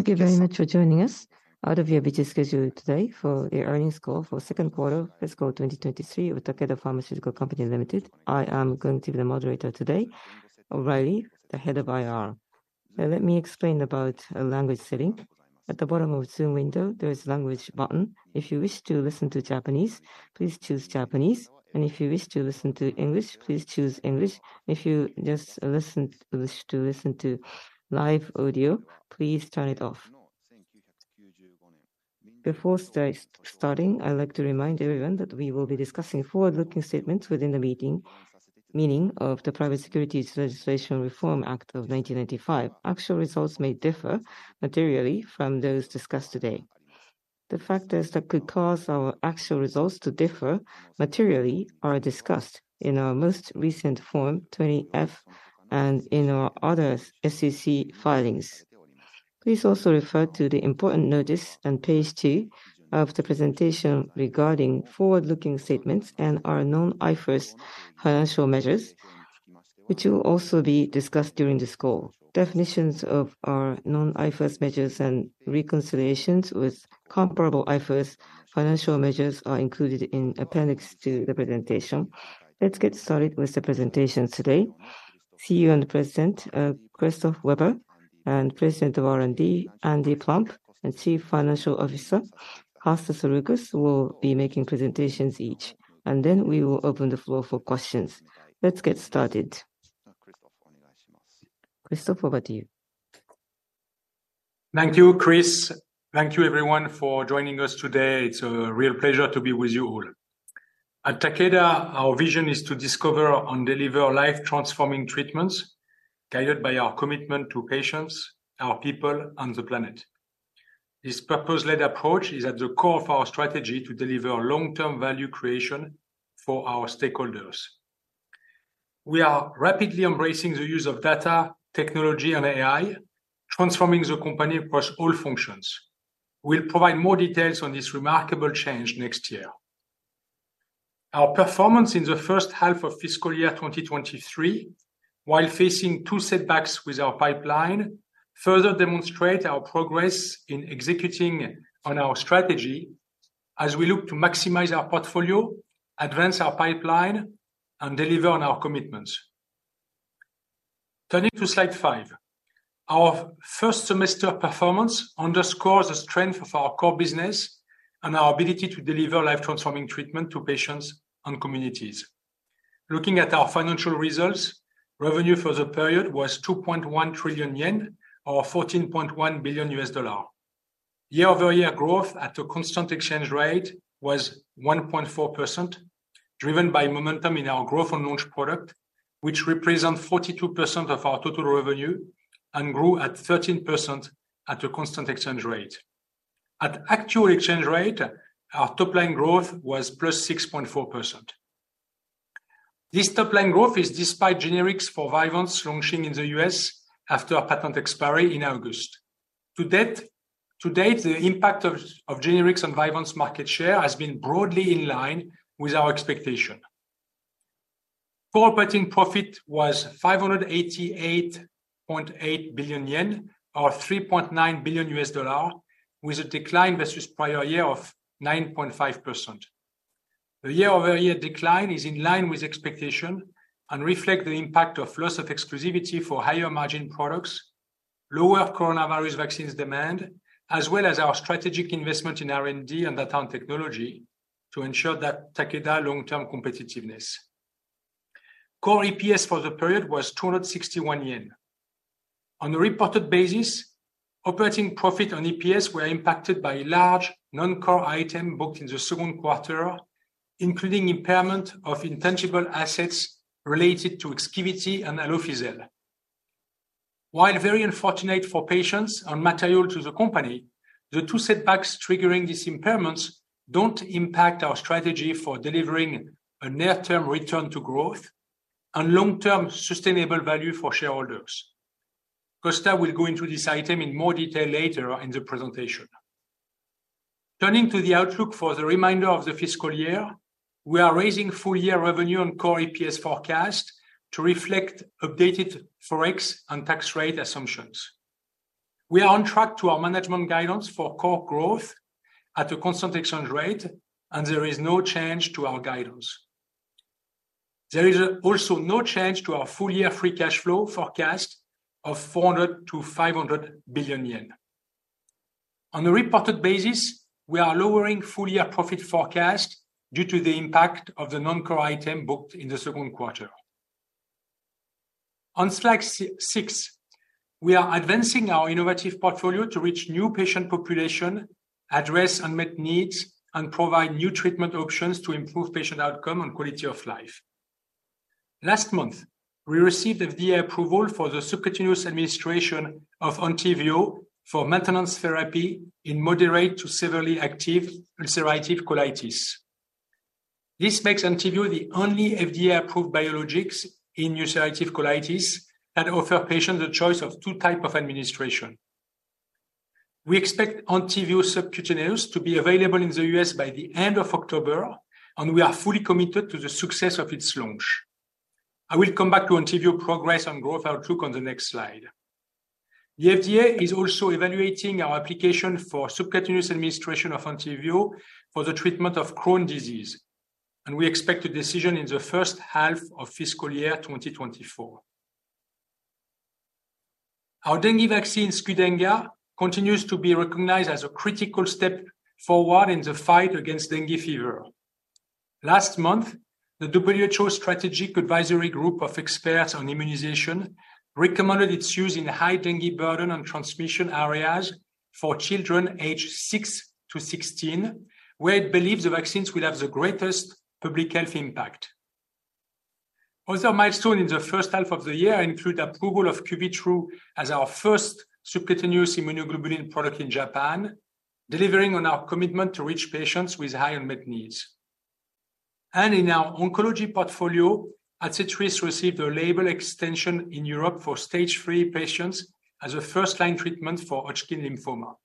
Thank you very much for joining us out of your busy schedule today for the earnings call for second quarter fiscal 2023 with Takeda Pharmaceutical Company Limited. I am going to be the moderator today. O'Reilly, the head of IR. Now, let me explain about language setting. At the bottom of Zoom window, there is Language button. If you wish to listen to Japanese, please choose Japanese, and if you wish to listen to English, please choose English. If you just wish to listen to live audio, please turn it off. Before starting, I'd like to remind everyone that we will be discussing forward-looking statements within the meaning of the Private Securities Litigation Reform Act of 1995. Actual results may differ materially from those discussed today. The factors that could cause our actual results to differ materially are discussed in our most recent Form 20-F and in our other SEC filings. Please also refer to the important notice on page two of the presentation regarding forward-looking statements and our non-IFRS financial measures, which will also be discussed during this call. Definitions of our non-IFRS measures and reconciliations with comparable IFRS financial measures are included in Appendix 2, the presentation. Let's get started with the presentations today. CEO and President Christophe Weber, and President of R&D, Andy Plump, and Chief Financial Officer, Costa Saroukos, will be making presentations each, and then we will open the floor for questions. Let's get started. Christophe, over to you. Thank you, Chris. Thank you everyone for joining us today. It's a real pleasure to be with you all. At Takeda, our vision is to discover and deliver life-transforming treatments, guided by our commitment to patients, our people, and the planet. This purpose-led approach is at the core of our strategy to deliver long-term value creation for our stakeholders. We are rapidly embracing the use of data, technology, and AI, transforming the company across all functions. We'll provide more details on this remarkable change next year. Our performance in the first half of fiscal year 2023, while facing two setbacks with our pipeline, further demonstrate our progress in executing on our strategy as we look to maximize our portfolio, advance our pipeline, and deliver on our commitments. Turning to slide five. Our first semester performance underscores the strength of our core business and our ability to deliver life-transforming treatment to patients and communities. Looking at our financial results, revenue for the period was 2.1 trillion yen, or $14.1 billion U.S. dollar. Year-over-year growth at a constant exchange rate was 1.4%, driven by momentum in our growth and launch product, which represent 42% of our total revenue and grew at 13% at a constant exchange rate. At actual exchange rate, our top-line growth was +6.4%. This top-line growth is despite generics for Vyvanse launching in the U.S. after a patent expiry in August. To date, the impact of generics on Vyvanse market share has been broadly in line with our expectation. Operating profit was 588.8 billion yen, or $3.9 billion, with a decline versus prior year of 9.5%. The year-over-year decline is in line with expectation and reflect the impact of loss of exclusivity for higher margin products, lower coronavirus vaccines demand, as well as our strategic investment in R&D and data technology to ensure that Takeda long-term competitiveness. Core EPS for the period was 261 yen. On a reported basis, operating profit on EPS were impacted by large non-core item booked in the second quarter, including impairment of intangible assets related to Exkivity and Alofisel. While very unfortunate for patients and material to the company, the two setbacks triggering these impairments don't impact our strategy for delivering a near-term return to growth and long-term sustainable value for shareholders. Costa will go into this item in more detail later in the presentation. Turning to the outlook for the remainder of the fiscal year, we are raising full-year revenue and core EPS forecast to reflect updated Forex and tax rate assumptions. We are on track to our management guidance for core growth at a constant exchange rate, and there is no change to our guidance. There is also no change to our full-year free cash flow forecast of 400 billion-500 billion yen. On a reported basis, we are lowering full-year profit forecast due to the impact of the non-core item booked in the second quarter. On slide six, we are advancing our innovative portfolio to reach new patient population, address unmet needs, and provide new treatment options to improve patient outcome and quality of life. Last month, we received the FDA approval for the subcutaneous administration of Entyvio for maintenance therapy in moderate to severely active ulcerative colitis. This makes Entyvio the only FDA-approved biologics in ulcerative colitis and offer patients a choice of two type of administration. We expect Entyvio subcutaneous to be available in the US by the end of October, and we are fully committed to the success of its launch. I will come back to Entyvio progress and growth outlook on the next slide. The FDA is also evaluating our application for subcutaneous administration of Entyvio for the treatment of Crohn's disease, and we expect a decision in the first half of fiscal year 2024. Our dengue vaccine, Qdenga, continues to be recognized as a critical step forward in the fight against dengue fever. Last month, the WHO Strategic Advisory Group of Experts on Immunization recommended its use in high dengue burden and transmission areas for children aged 6 to 16, where it believes the vaccines will have the greatest public health impact. Other milestones in the first half of the year include approval of Cuvitru as our first subcutaneous immunoglobulin product in Japan, delivering on our commitment to reach patients with high unmet needs. In our oncology portfolio, Adcetris received a label extension in Europe for stage 3 patients as a first-line treatment for Hodgkin lymphoma.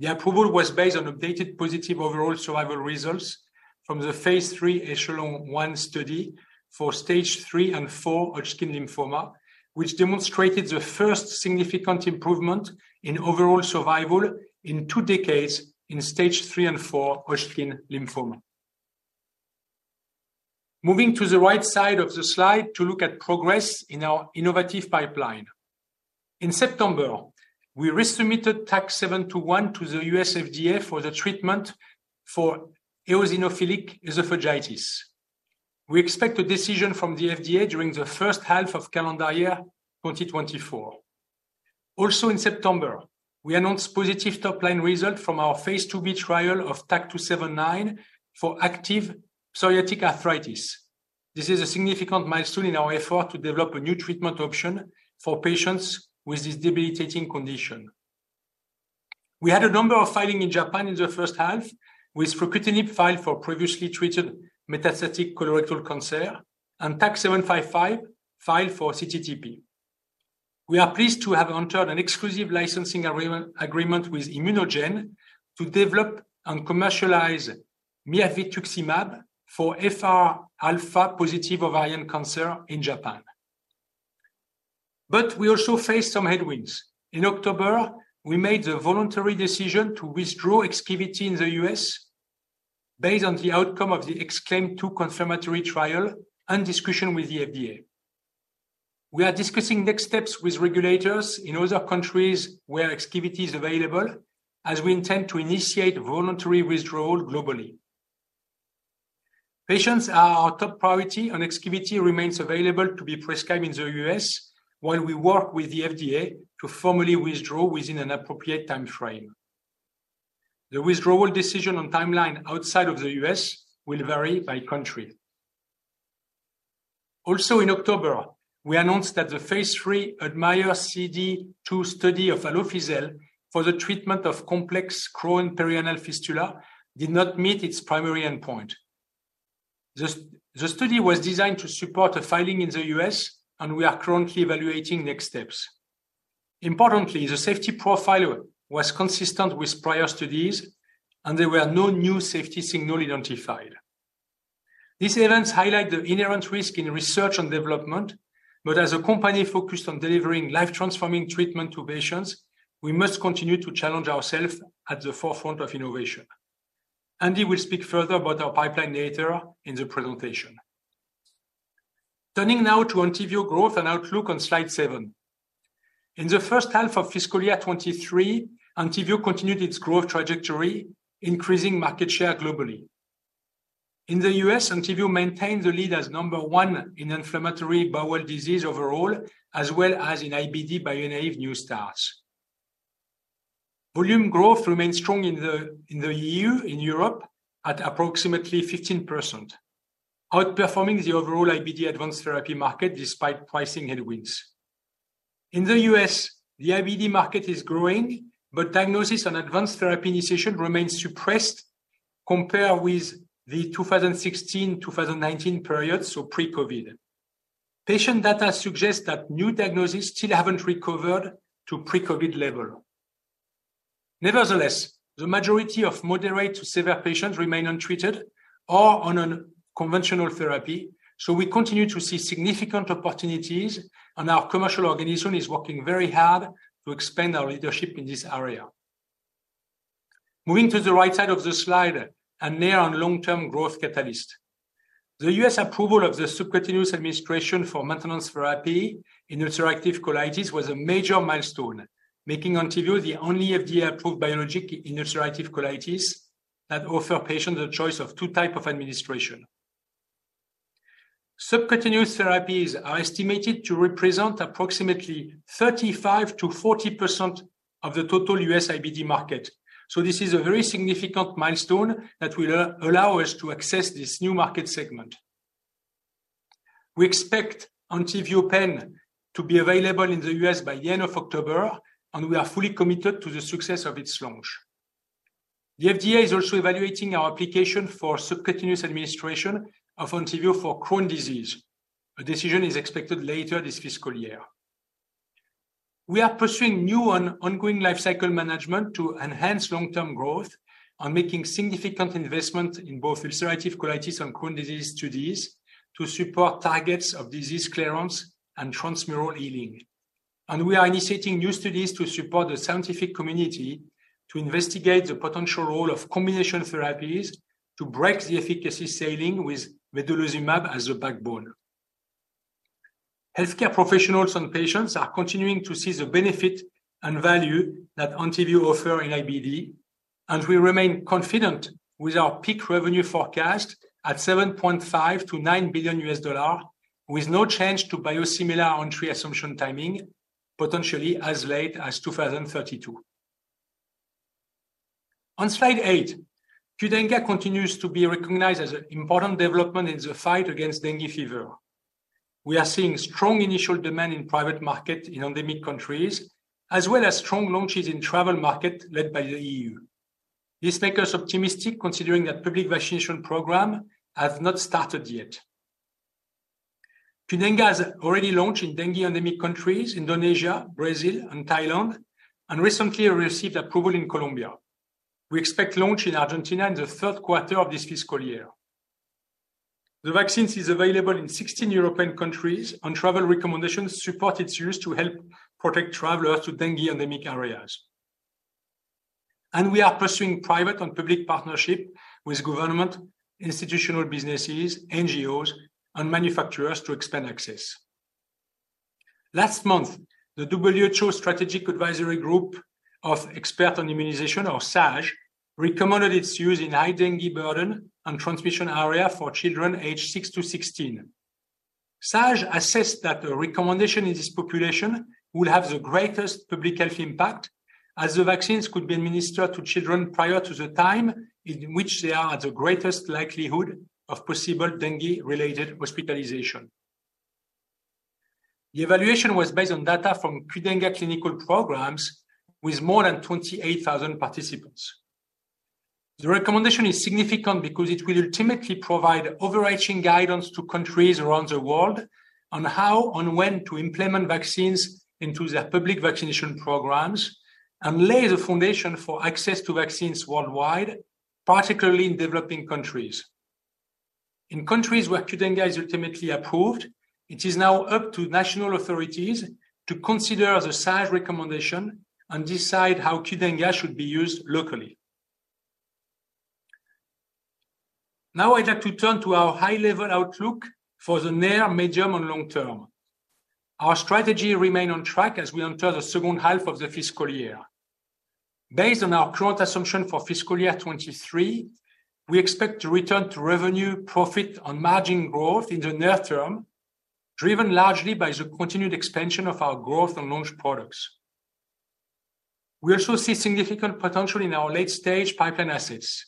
The approval was based on updated positive overall survival results from the phase III ECHELON-1 study for stage 3 and 4 Hodgkin lymphoma, which demonstrated the first significant improvement in overall survival in 2 decades in stage 3 and 4 Hodgkin lymphoma. Moving to the right side of the slide to look at progress in our innovative pipeline. In September, we resubmitted TAK-721 to the U.S. FDA for the treatment for eosinophilic esophagitis. We expect a decision from the FDA during the first half of calendar year 2024. Also, in September, we announced positive top-line result from our phase IIb trial of TAK-279 for active psoriatic arthritis. This is a significant milestone in our effort to develop a new treatment option for patients with this debilitating condition. We had a number of filings in Japan in the first half, with fruquintinib filed for previously treated metastatic colorectal cancer and TAK-755 filed for cTTP. We are pleased to have entered an exclusive licensing agreement with ImmunoGen to develop and commercialize mirvetuximab for FR alpha-positive ovarian cancer in Japan. But we also faced some headwinds. In October, we made the voluntary decision to withdraw Exkivity in the U.S. based on the outcome of the EXCLAIM-2 confirmatory trial and discussion with the FDA. We are discussing next steps with regulators in other countries where Exkivity is available, as we intend to initiate voluntary withdrawal globally. Patients are our top priority, and Exkivity remains available to be prescribed in the U.S. while we work with the FDA to formally withdraw within an appropriate time frame. The withdrawal decision on timeline outside of the U.S. will vary by country. Also, in October, we announced that the phase III ADMIRE-CD II study of Alofisel for the treatment of complex Crohn's perianal fistula did not meet its primary endpoint. The study was designed to support a filing in the U.S., and we are currently evaluating next steps. Importantly, the safety profile was consistent with prior studies, and there were no new safety signal identified. These events highlight the inherent risk in research and development, but as a company focused on delivering life-transforming treatment to patients, we must continue to challenge ourselves at the forefront of innovation. Andy will speak further about our pipeline later in the presentation. Turning now to Entyvio growth and outlook on slide seven. In the first half of fiscal year 2023, Entyvio continued its growth trajectory, increasing market share globally. In the US, Entyvio maintained the lead as number one in inflammatory bowel disease overall, as well as in IBD bio-naive new starts. Volume growth remains strong in the EU, in Europe, at approximately 15%, outperforming the overall IBD advanced therapy market despite pricing headwinds. In the US, the IBD market is growing, but diagnosis and advanced therapy initiation remains suppressed compared with the 2016 to 2019 period, so pre-COVID. Patient data suggests that new diagnoses still haven't recovered to pre-COVID level. Nevertheless, the majority of moderate to severe patients remain untreated or on a conventional therapy, so we continue to see significant opportunities, and our commercial organization is working very hard to expand our leadership in this area. Moving to the right side of the slide, and near- and long-term growth catalyst. The US approval of the subcutaneous administration for maintenance therapy in ulcerative colitis was a major milestone, making Entyvio the only FDA-approved biologic in ulcerative colitis that offer patients a choice of two type of administration. Subcutaneous therapies are estimated to represent approximately 35%-40% of the total U.S. IBD market, so this is a very significant milestone that will allow us to access this new market segment. We expect Entyvio Pen to be available in the U.S. by the end of October, and we are fully committed to the success of its launch. The FDA is also evaluating our application for subcutaneous administration of Entyvio for Crohn's disease. A decision is expected later this fiscal year. We are pursuing new and ongoing lifecycle management to enhance long-term growth and making significant investment in both ulcerative colitis and Crohn's disease studies to support targets of disease clearance and transmural healing. We are initiating new studies to support the scientific community to investigate the potential role of combination therapies to break the efficacy ceiling with vedolizumab as the backbone. Healthcare professionals and patients are continuing to see the benefit and value that Entyvio offers in IBD, and we remain confident with our peak revenue forecast at $7.5 billion-$9 billion, with no change to biosimilar entry assumption timing, potentially as late as 2032. On slide eight, Qdenga continues to be recognized as an important development in the fight against dengue fever. We are seeing strong initial demand in private market in endemic countries, as well as strong launches in travel market led by the EU. This makes us optimistic, considering that public vaccination program has not started yet. Qdenga has already launched in dengue endemic countries, Indonesia, Brazil, and Thailand, and recently received approval in Colombia. We expect launch in Argentina in the third quarter of this fiscal year. The vaccine is available in 16 European countries, and travel recommendations support its use to help protect travelers to dengue endemic areas. We are pursuing private and public partnerships with governments, institutional businesses, NGOs, and manufacturers to expand access. Last month, the WHO Strategic Advisory Group of Experts on Immunization, or SAGE, recommended its use in high dengue burden and transmission areas for children aged 6 to 16. SAGE assessed that the recommendation in this population will have the greatest public health impact, as the vaccine could be administered to children prior to the time in which they are at the greatest likelihood of possible dengue-related hospitalization. The evaluation was based on data from Qdenga clinical programs with more than 28,000 participants. The recommendation is significant because it will ultimately provide overarching guidance to countries around the world on how and when to implement vaccines into their public vaccination programs, and lay the foundation for access to vaccines worldwide, particularly in developing countries. In countries where Qdenga is ultimately approved, it is now up to national authorities to consider the SAGE recommendation and decide how Qdenga should be used locally. Now I'd like to turn to our high-level outlook for the near, medium, and long term. Our strategy remain on track as we enter the second half of the fiscal year. Based on our growth assumption for fiscal year 2023, we expect to return to revenue, profit, and margin growth in the near term, driven largely by the continued expansion of our growth and launch products. We also see significant potential in our late-stage pipeline assets.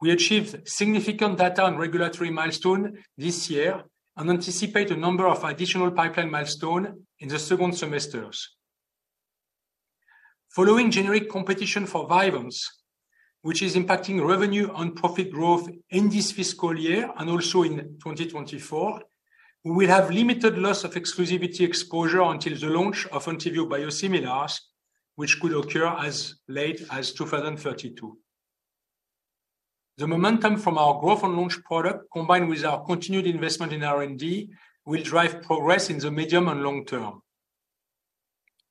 We achieved significant data and regulatory milestones this year and anticipate a number of additional pipeline milestones in the second half. Following generic competition for Vyvanse, which is impacting revenue and profit growth in this fiscal year and also in 2024, we will have limited loss of exclusivity exposure until the launch of Entyvio biosimilars, which could occur as late as 2032. The momentum from our growth and launch products, combined with our continued investment in R&D, will drive progress in the medium and long term.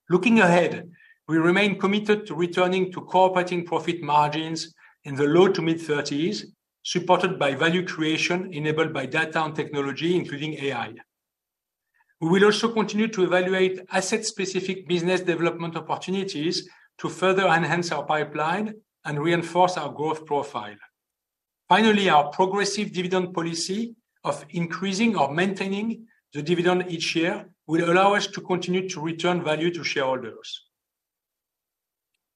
Looking ahead, we remain committed to returning to core operating profit margins in the low to mid-thirties, supported by value creation enabled by data and technology, including AI. We will also continue to evaluate asset-specific business development opportunities to further enhance our pipeline and reinforce our growth profile. Finally, our progressive dividend policy of increasing or maintaining the dividend each year will allow us to continue to return value to shareholders.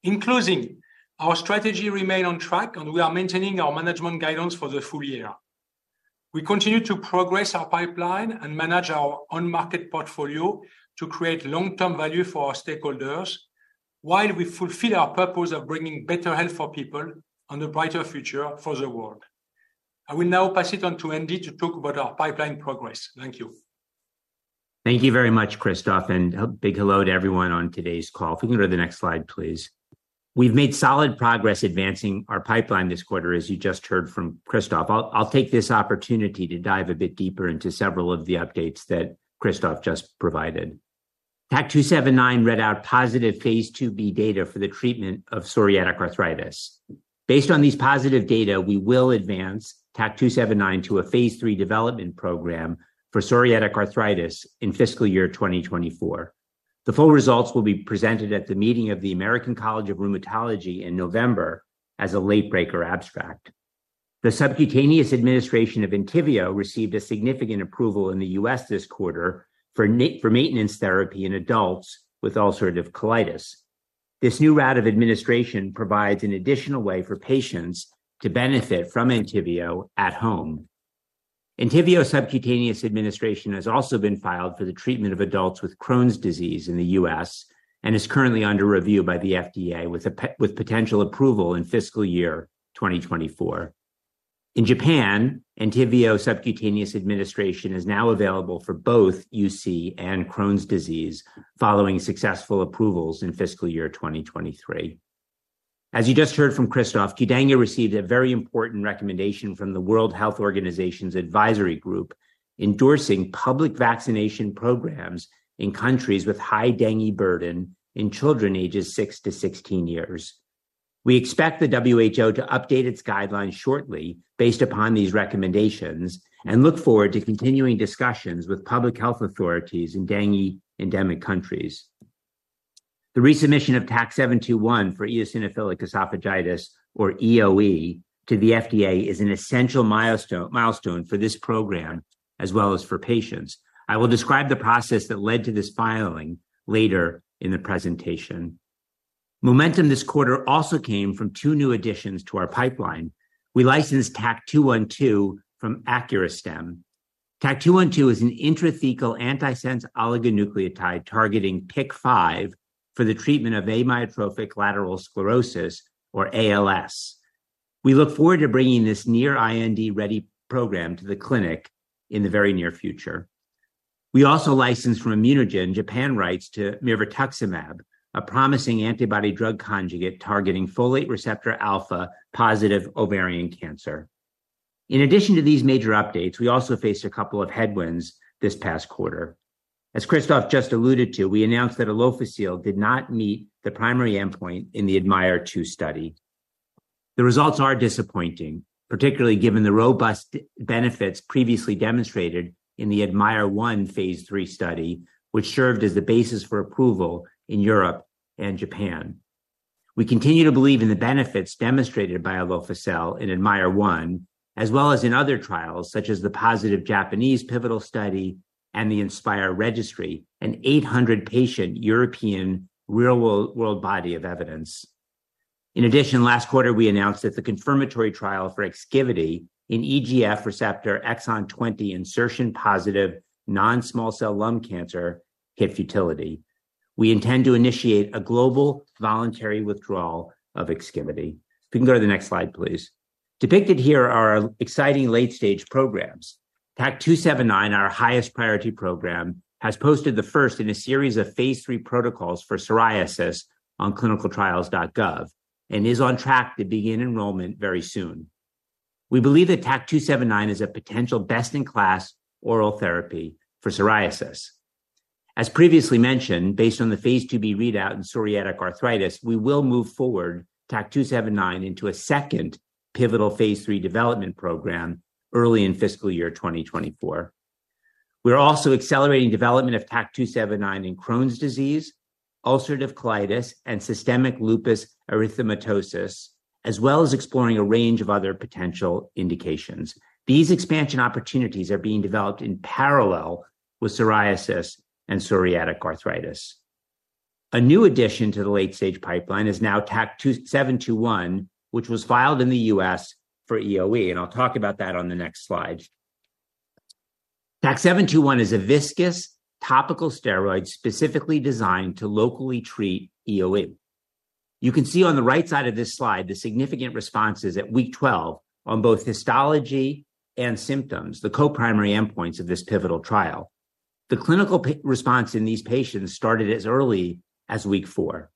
In closing, our strategy remains on track, and we are maintaining our management guidance for the full year. We continue to progress our pipeline and manage our on-market portfolio to create long-term value for our stakeholders, while we fulfill our purpose of bringing better health for people and a brighter future for the world. I will now pass it on to Andy to talk about our pipeline progress. Thank you. Thank you very much, Christophe, and a big hello to everyone on today's call. If we can go to the next slide, please. We've made solid progress advancing our pipeline this quarter, as you just heard from Christophe. I'll take this opportunity to dive a bit deeper into several of the updates that Christophe just provided. TAK-279 read out positive phase IIb data for the treatment of psoriatic arthritis. Based on these positive data, we will advance TAK-279 to a phase III development program for psoriatic arthritis in fiscal year 2024. The full results will be presented at the meeting of the American College of Rheumatology in November as a late breaker abstract. The subcutaneous administration of Entyvio received a significant approval in the U.S. this quarter for maintenance therapy in adults with ulcerative colitis. This new route of administration provides an additional way for patients to benefit from Entyvio at home. Entyvio subcutaneous administration has also been filed for the treatment of adults with Crohn's disease in the U.S., and is currently under review by the FDA with potential approval in fiscal year 2024. In Japan, Entyvio subcutaneous administration is now available for both UC and Crohn's disease, following successful approvals in fiscal year 2023. As you just heard from Christophe, Qdenga received a very important recommendation from the World Health Organization's advisory group, endorsing public vaccination programs in countries with high dengue burden in children ages six to 16 years. We expect the WHO to update its guidelines shortly based upon these recommendations, and look forward to continuing discussions with public health authorities in dengue-endemic countries. The resubmission of TAK-721 for eosinophilic esophagitis, or EoE, to the FDA is an essential milestone for this program, as well as for patients. I will describe the process that led to this filing later in the presentation. Momentum this quarter also came from two new additions to our pipeline. We licensed TAK-212 from Aclaris Therapeutics. TAK-212 is an intrathecal antisense oligonucleotide targeting SOD1 for the treatment of amyotrophic lateral sclerosis, or ALS. We look forward to bringing this near IND-ready program to the clinic in the very near future. We also licensed from ImmunoGen Japan rights to mirvetuximab, a promising antibody drug conjugate targeting folate receptor alpha positive ovarian cancer. In addition to these major updates, we also faced a couple of headwinds this past quarter. As Christophe just alluded to, we announced that Alofisel did not meet the primary endpoint in the ADMIRE-CD II study. The results are disappointing, particularly given the robust benefits previously demonstrated in the ADMIRE-1 Phase III study, which served as the basis for approval in Europe and Japan. We continue to believe in the benefits demonstrated by Alofisel in ADMIRE-1, as well as in other trials, such as the positive Japanese pivotal study and the INSPIRE registry, an 800-patient European real-world body of evidence. In addition, last quarter, we announced that the confirmatory trial for Exkivity in EGFR exon 20 insertion positive non-small cell lung cancer hit futility. We intend to initiate a global voluntary withdrawal of Exkivity. You can go to the next slide, please. Depicted here are our exciting late-stage programs. TAK-279, our highest priority program, has posted the first in a series of Phase III protocols for psoriasis on clinicaltrials.gov and is on track to begin enrollment very soon. We believe that TAK-279 is a potential best-in-class oral therapy for psoriasis. As previously mentioned, based on the phase IIb readout in psoriatic arthritis, we will move forward TAK-279 into a second pivotal phase III development program early in fiscal year 2024. We are also accelerating development of TAK-279 in Crohn's disease, ulcerative colitis, and systemic lupus erythematosus, as well as exploring a range of other potential indications. These expansion opportunities are being developed in parallel with psoriasis and psoriatic arthritis. A new addition to the late-stage pipeline is now TAK-721, which was filed in the US for EoE, and I'll talk about that on the next slide. TAK-721 is a viscous topical steroid specifically designed to locally treat EoE. You can see on the right side of this slide the significant responses at week 12 on both histology and symptoms, the co-primary endpoints of this pivotal trial. The clinical response in these patients started as early as week four.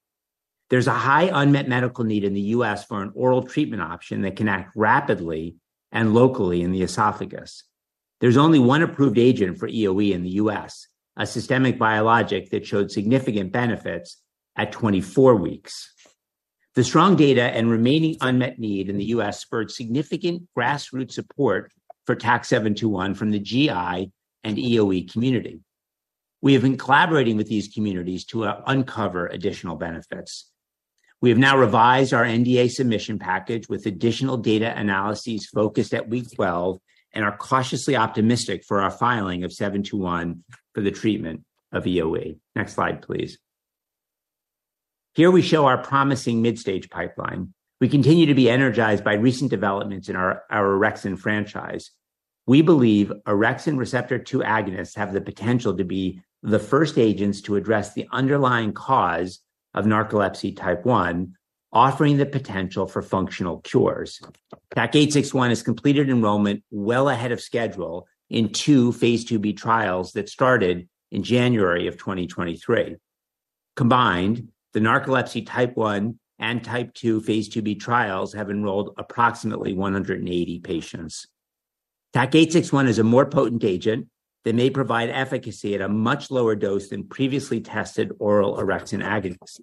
There's a high unmet medical need in the U.S. for an oral treatment option that can act rapidly and locally in the esophagus. There's only one approved agent for EoE in the U.S., a systemic biologic that showed significant benefits at 24 weeks. The strong data and remaining unmet need in the U.S. spurred significant grassroots support for TAK-721 from the GI and EoE community. We have been collaborating with these communities to uncover additional benefits. We have now revised our NDA submission package with additional data analyses focused at week 12 and are cautiously optimistic for our filing of TAK-721 for the treatment of EoE. Next slide, please. Here we show our promising midstage pipeline. We continue to be energized by recent developments in our orexin franchise. We believe orexin receptor two agonists have the potential to be the first agents to address the underlying cause of narcolepsy Type 1, offering the potential for functional cures. TAK-861 has completed enrollment well ahead of schedule in two phase IIb trials that started in January of 2023. Combined, the narcolepsy Type 1 and Type 2 phase IIb trials have enrolled approximately 180 patients. TAK-861 is a more potent agent that may provide efficacy at a much lower dose than previously tested oral orexin agonists,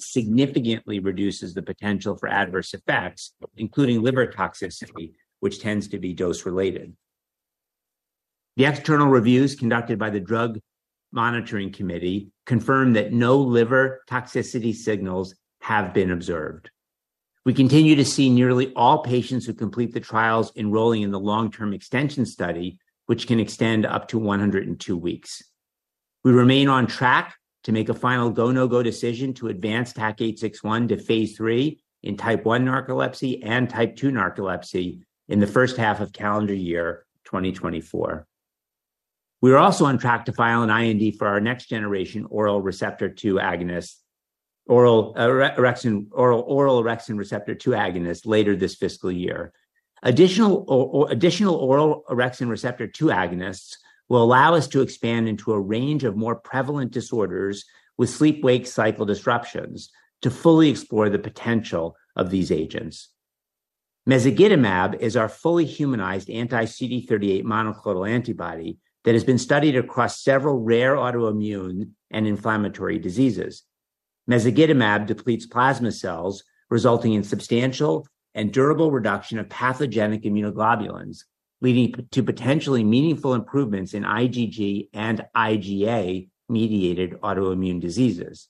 significantly reduces the potential for adverse effects, including liver toxicity, which tends to be dose-related. The external reviews conducted by the Data Monitoring Committee confirmed that no liver toxicity signals have been observed. We continue to see nearly all patients who complete the trials enrolling in the long-term extension study, which can extend up to 102 weeks. We remain on track to make a final go, no-go decision to advance TAK-861 to phase III in Type 1 narcolepsy and Type 2 narcolepsy in the first half of calendar year 2024. We are also on track to file an IND for our next generation oral receptor two agonist, oral, orexin, oral orexin receptor two agonist later this fiscal year. Additional additional oral orexin receptor two agonists will allow us to expand into a range of more prevalent disorders with sleep-wake cycle disruptions to fully explore the potential of these agents. Mezagitamab is our fully humanized anti-CD38 monoclonal antibody that has been studied across several rare autoimmune and inflammatory diseases. Mezagitamab depletes plasma cells, resulting in substantial and durable reduction of pathogenic immunoglobulins, leading to potentially meaningful improvements in IgG and IgA-mediated autoimmune diseases.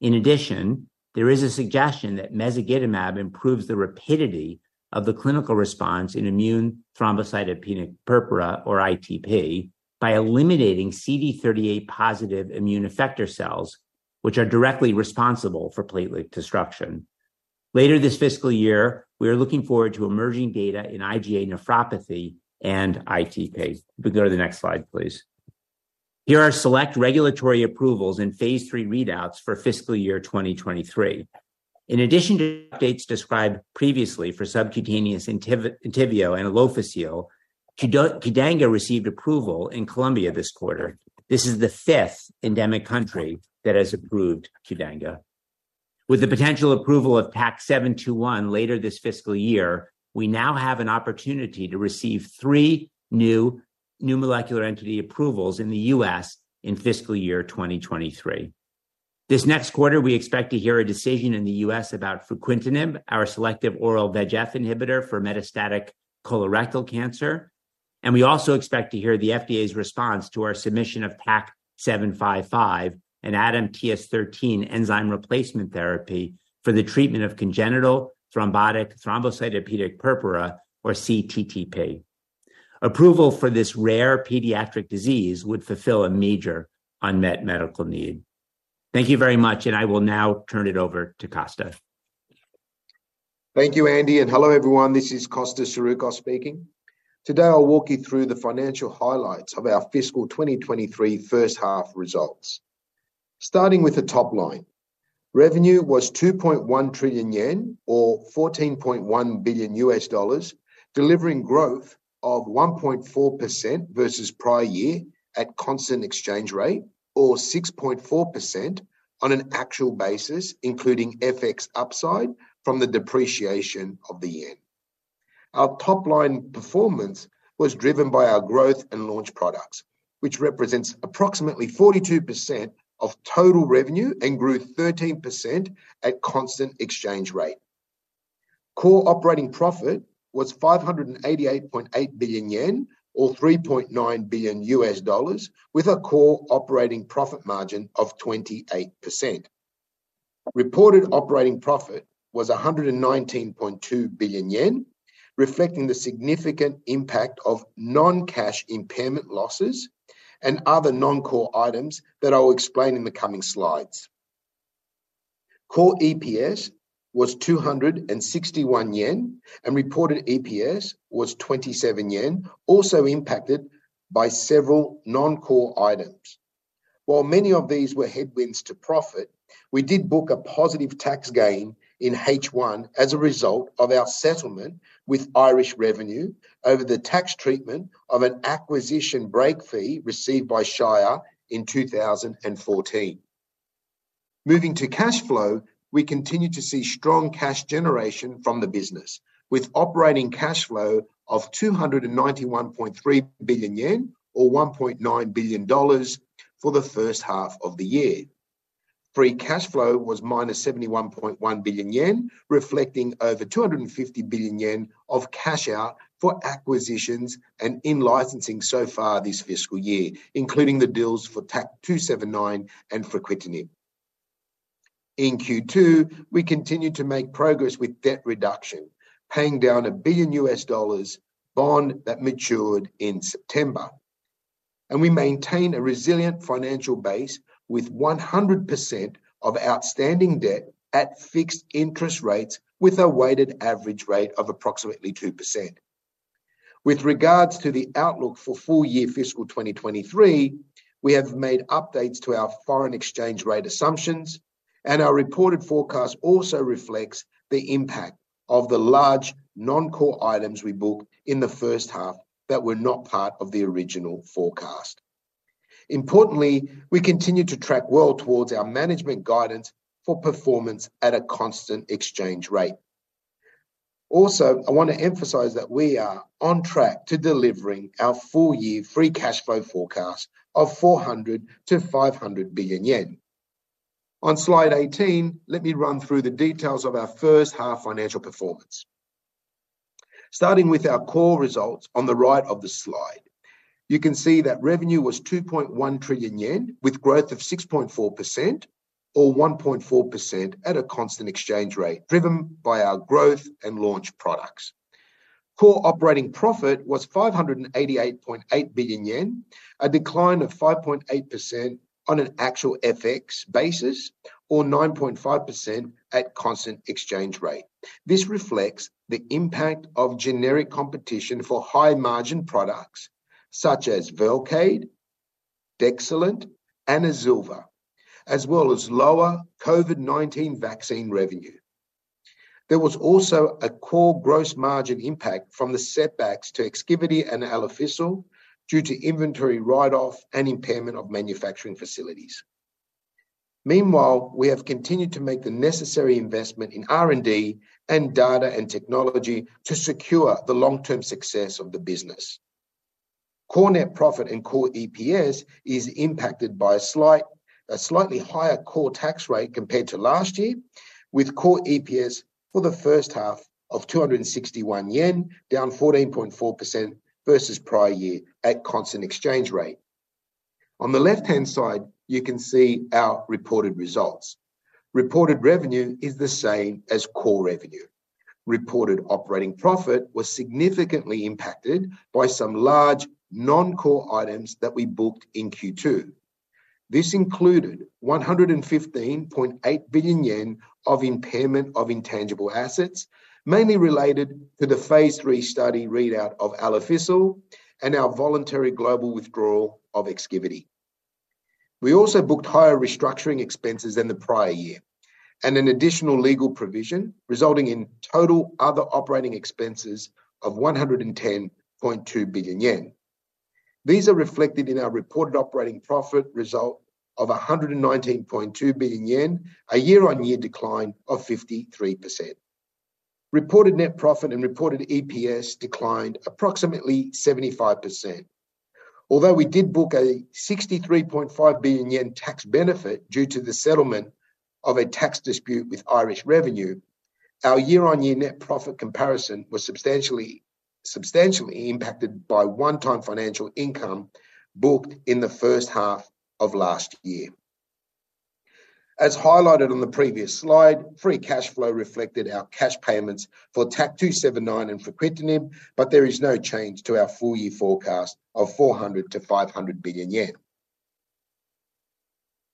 In addition, there is a suggestion that mezagitamab improves the rapidity of the clinical response in immune thrombocytopenic purpura, or ITP, by eliminating CD38 positive immune effector cells, which are directly responsible for platelet destruction. Later this fiscal year, we are looking forward to emerging data in IgA nephropathy and ITP. We can go to the next slide, please. Here are select regulatory approvals and phase III readouts for fiscal year 2023. In addition to updates described previously for subcutaneous Entyvio and Alofisel, Qdenga received approval in Colombia this quarter. This is the fifth endemic country that has approved Qdenga. With the potential approval of TAK-721 later this fiscal year, we now have an opportunity to receive three new molecular entity approvals in the US in fiscal year 2023. This next quarter, we expect to hear a decision in the U.S. about fruquintinib, our selective oral VEGFR inhibitor for metastatic colorectal cancer. And we also expect to hear the FDA's response to our submission of TAK-755, an ADAMTS13 enzyme replacement therapy for the treatment of congenital thrombotic thrombocytopenic purpura, or cTTP. Approval for this rare pediatric disease would fulfill a major unmet medical need. Thank you very much, and I will now turn it over to Costa. Thank you, Andy, and hello, everyone. This is Costa Saroukos speaking. Today, I'll walk you through the financial highlights of our fiscal 2023 first half results. Starting with the top line. Revenue was 2.1 trillion yen, or $14.1 billion, delivering growth of 1.4% versus prior year at constant exchange rate, or 6.4% on an actual basis, including FX upside from the depreciation of the yen. Our top-line performance was driven by our growth and launch products, which represents approximately 42% of total revenue and grew 13% at constant exchange rate. Core operating profit was 588.8 billion yen, or $3.9 billion, with a core operating profit margin of 28%. Reported operating profit was 119.2 billion yen, reflecting the significant impact of non-cash impairment losses and other non-core items that I will explain in the coming slides. Core EPS was 261 yen, and reported EPS was 27 yen, also impacted by several non-core items. While many of these were headwinds to profit, we did book a positive tax gain in H1 as a result of our settlement with Irish Revenue over the tax treatment of an acquisition break fee received by Shire in 2014. Moving to cash flow, we continue to see strong cash generation from the business, with operating cash flow of 291.3 billion yen, or $1.9 billion for the first half of the year. Free cash flow was -71.1 billion yen, reflecting over 250 billion yen of cash out for acquisitions and in-licensing so far this fiscal year, including the deals for TAK-279 and fruquintinib. In Q2, we continued to make progress with debt reduction, paying down a $1 billion bond that matured in September, and we maintain a resilient financial base with 100% of outstanding debt at fixed interest rates, with a weighted average rate of approximately 2%. With regards to the outlook for full year fiscal 2023, we have made updates to our foreign exchange rate assumptions, and our reported forecast also reflects the impact of the large non-core items we booked in the first half that were not part of the original forecast. Importantly, we continue to track well towards our management guidance for performance at a constant exchange rate. Also, I want to emphasize that we are on track to delivering our full-year free cash flow forecast of 400 billion-500 billion yen. On slide 18, let me run through the details of our first half financial performance. Starting with our core results on the right of the slide, you can see that revenue was 2.1 trillion yen, with growth of 6.4% or 1.4% at a constant exchange rate, driven by our growth and launch products. Core operating profit was 588.8 billion yen, a decline of 5.8% on an actual FX basis… or 9.5% at constant exchange rate. This reflects the impact of generic competition for high-margin products such as Velcade, Dexilant, and Azilva, as well as lower COVID-19 vaccine revenue. There was also a core gross margin impact from the setbacks to Exkivity and Alofisel due to inventory write-off and impairment of manufacturing facilities. Meanwhile, we have continued to make the necessary investment in R&D and data and technology to secure the long-term success of the business. Core net profit and core EPS is impacted by a slightly higher core tax rate compared to last year, with core EPS for the first half of 261 yen, down 14.4% versus prior year at constant exchange rate. On the left-hand side, you can see our reported results. Reported revenue is the same as core revenue. Reported operating profit was significantly impacted by some large non-core items that we booked in Q2. This included 115.8 billion yen of impairment of intangible assets, mainly related to the phase III study readout of Alofisel and our voluntary global withdrawal of Exkivity. We also booked higher restructuring expenses than the prior year, and an additional legal provision resulting in total other operating expenses of 110.2 billion yen. These are reflected in our reported operating profit result of 119.2 billion yen, a year-on-year decline of 53%. Reported net profit and reported EPS declined approximately 75%. Although we did book a 63.5 billion yen tax benefit due to the settlement of a tax dispute with Irish Revenue, our year-on-year net profit comparison was substantially, substantially impacted by one-time financial income booked in the first half of last year. As highlighted on the previous slide, free cash flow reflected our cash payments for TAK-279 and for fruquintinib, but there is no change to our full-year forecast of 400 billion-500 billion yen.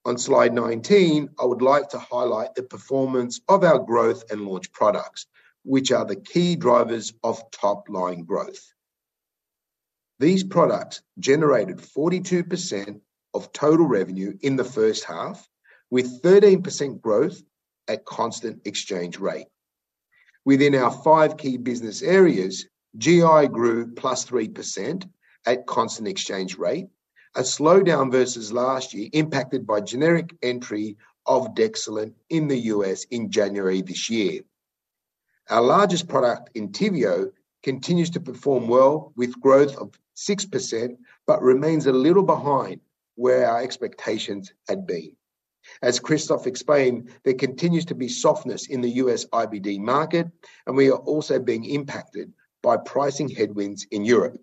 On slide 19, I would like to highlight the performance of our growth and launch products, which are the key drivers of top-line growth. These products generated 42% of total revenue in the first half, with 13% growth at constant exchange rate. Within our five key business areas, GI grew +3% at constant exchange rate, a slowdown versus last year, impacted by generic entry of Dexilant in the U.S. in January this year. Our largest product, Entyvio, continues to perform well, with growth of 6%, but remains a little behind where our expectations had been. As Christophe explained, there continues to be softness in the U.S. IBD market, and we are also being impacted by pricing headwinds in Europe.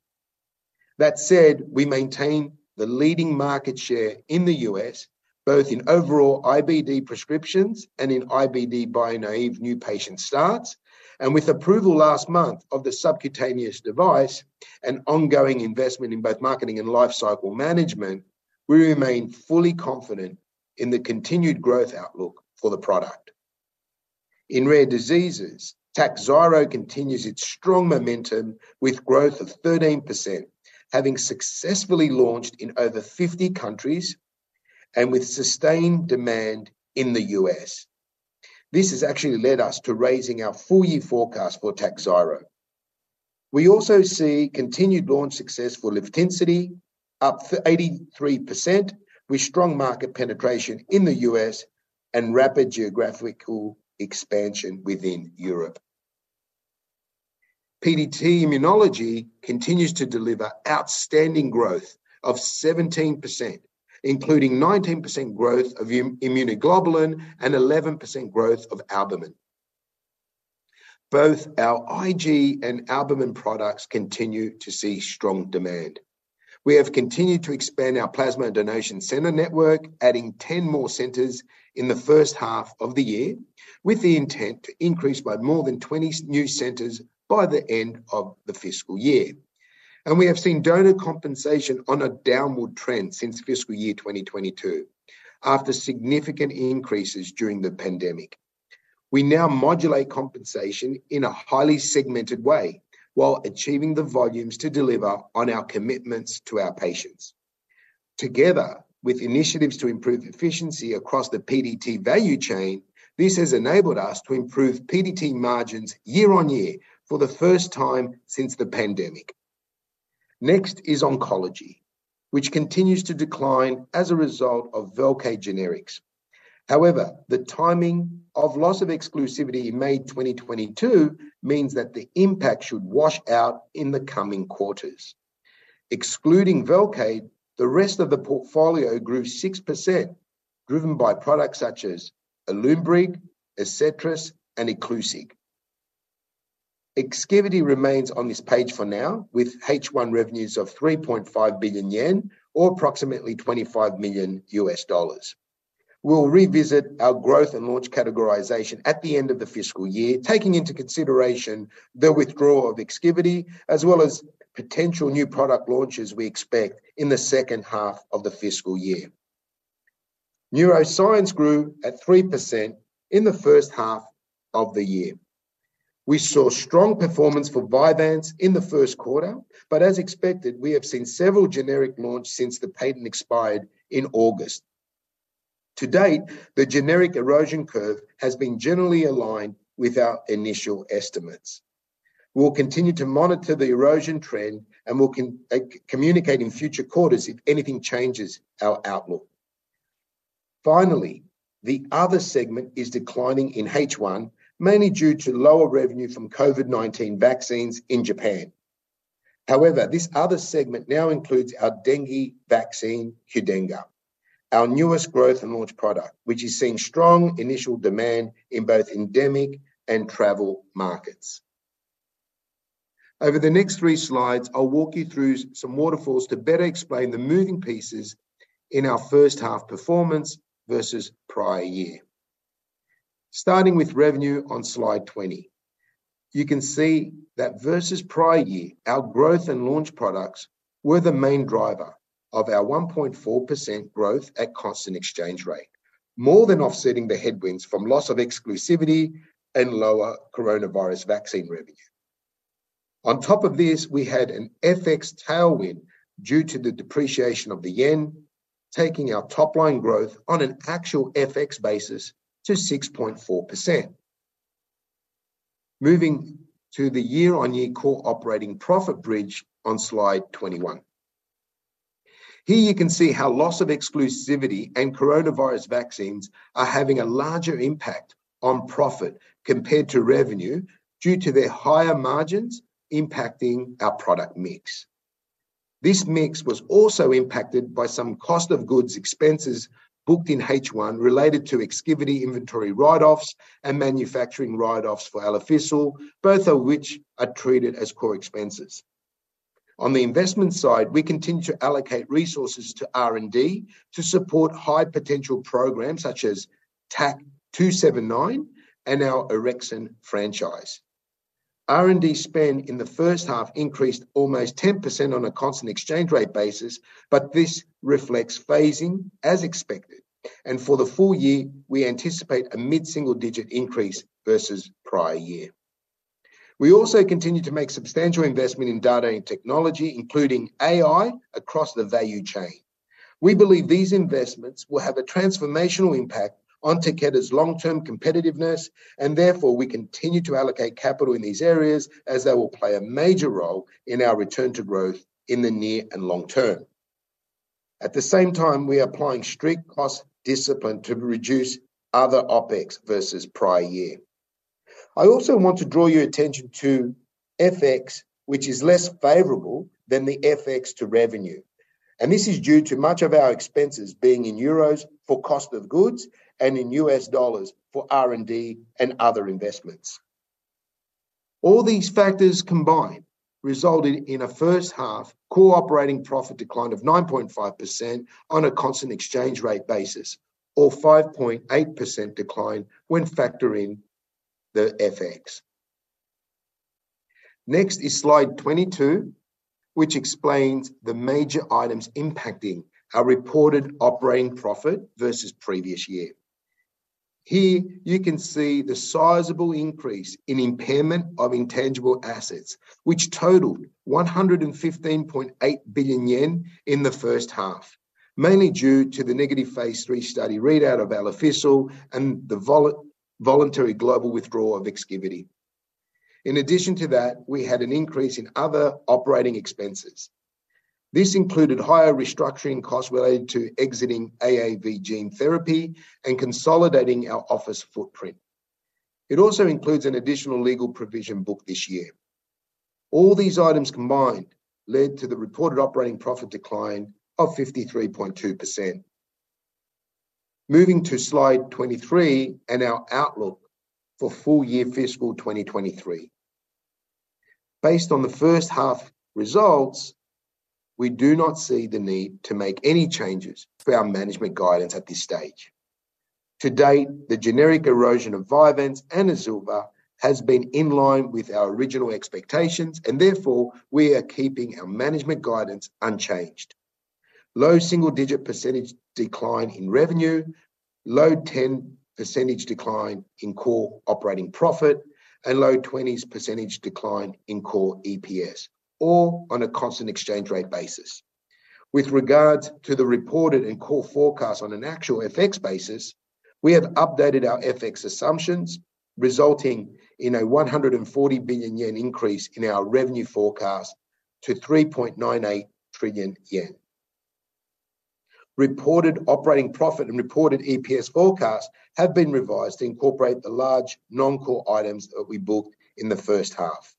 That said, we maintain the leading market share in the U.S., both in overall IBD prescriptions and in IBD bio-naive new patient starts, and with approval last month of the subcutaneous device and ongoing investment in both marketing and lifecycle management, we remain fully confident in the continued growth outlook for the product. In rare diseases, Takhzyro continues its strong momentum, with growth of 13%, having successfully launched in over 50 countries and with sustained demand in the U.S. This has actually led us to raising our full-year forecast for Takhzyro. We also see continued launch success for Livtencity, up to 83%, with strong market penetration in the U.S. and rapid geographical expansion within Europe. PDT Immunology continues to deliver outstanding growth of 17%, including 19% growth of immunoglobulin and 11% growth of albumin. Both our IG and albumin products continue to see strong demand. We have continued to expand our plasma donation center network, adding 10 more centers in the first half of the year, with the intent to increase by more than 20 new centers by the end of the fiscal year. We have seen donor compensation on a downward trend since fiscal year 2022, after significant increases during the pandemic. We now modulate compensation in a highly segmented way while achieving the volumes to deliver on our commitments to our patients. Together with initiatives to improve efficiency across the PDT value chain, this has enabled us to improve PDT margins year-over-year for the first time since the pandemic. Next is oncology, which continues to decline as a result of Velcade generics. However, the timing of loss of exclusivity in May 2022 means that the impact should wash out in the coming quarters. Excluding Velcade, the rest of the portfolio grew 6%, driven by products such as Alunbrig, Adcetris, and Iclusig. Exkivity remains on this page for now, with H1 revenues of 3.5 billion yen or approximately $25 million. We'll revisit our growth and launch categorization at the end of the fiscal year, taking into consideration the withdrawal of Exkivity, as well as potential new product launches we expect in the second half of the fiscal year. Neuroscience grew at 3% in the first half of the year. We saw strong performance for Vyvanse in the first quarter, but as expected, we have seen several generic launches since the patent expired in August. To date, the generic erosion curve has been generally aligned with our initial estimates. We'll continue to monitor the erosion trend, and we'll continue to communicate in future quarters if anything changes our outlook. Finally, the other segment is declining in H1, mainly due to lower revenue from COVID-19 vaccines in Japan. However, this other segment now includes our dengue vaccine, Qdenga, our newest growth and launch product, which is seeing strong initial demand in both endemic and travel markets. Over the next three slides, I'll walk you through some waterfalls to better explain the moving pieces in our first half performance versus prior year. Starting with revenue on slide 20. You can see that versus prior year, our growth and launch products were the main driver of our 1.4% growth at constant exchange rate, more than offsetting the headwinds from loss of exclusivity and lower coronavirus vaccine revenue. On top of this, we had an FX tailwind due to the depreciation of the yen, taking our top-line growth on an actual FX basis to 6.4%. Moving to the year-on-year core operating profit bridge on slide 21. Here you can see how loss of exclusivity and coronavirus vaccines are having a larger impact on profit compared to revenue, due to their higher margins impacting our product mix. This mix was also impacted by some cost of goods expenses booked in H1, related to Exkivity inventory write-offs and manufacturing write-offs for Alofisel, both of which are treated as core expenses. On the investment side, we continue to allocate resources to R&D to support high-potential programs such as TAK-279 and our orexin franchise. R&D spend in the first half increased almost 10% on a constant exchange rate basis, but this reflects phasing as expected, and for the full year, we anticipate a mid-single-digit increase versus prior year. We also continue to make substantial investment in data and technology, including AI, across the value chain. We believe these investments will have a transformational impact on Takeda's long-term competitiveness, and therefore, we continue to allocate capital in these areas as they will play a major role in our return to growth in the near and long term. At the same time, we are applying strict cost discipline to reduce other OpEx versus prior year. I also want to draw your attention to FX, which is less favorable than the FX to revenue, and this is due to much of our expenses being in euros for cost of goods and in US dollars for R&D and other investments. All these factors combined resulted in a first-half core operating profit decline of 9.5% on a constant exchange rate basis or 5.8% decline when factoring the FX. Next is slide 22, which explains the major items impacting our reported operating profit versus previous year. Here you can see the sizable increase in impairment of intangible assets, which totaled 115.8 billion yen in the first half, mainly due to the negative phase III study readout of Alofisel and the voluntary global withdrawal of Exkivity. In addition to that, we had an increase in other operating expenses. This included higher restructuring costs related to exiting AAV gene therapy and consolidating our office footprint. It also includes an additional legal provision booked this year. All these items combined led to the reported operating profit decline of 53.2%. Moving to slide 23 and our outlook for full-year fiscal 2023. Based on the first half results, we do not see the need to make any changes to our management guidance at this stage. To date, the generic erosion of Vyvanse and Azilva has been in line with our original expectations, and therefore, we are keeping our management guidance unchanged. Low single-digit % decline in revenue, low ten % decline in core operating profit, and low twenties % decline in core EPS, all on a constant exchange rate basis. With regards to the reported and core forecast on an actual FX basis, we have updated our FX assumptions, resulting in a 140 billion yen increase in our revenue forecast to 3.98 trillion yen. Reported operating profit and reported EPS forecasts have been revised to incorporate the large non-core items that we booked in the first half.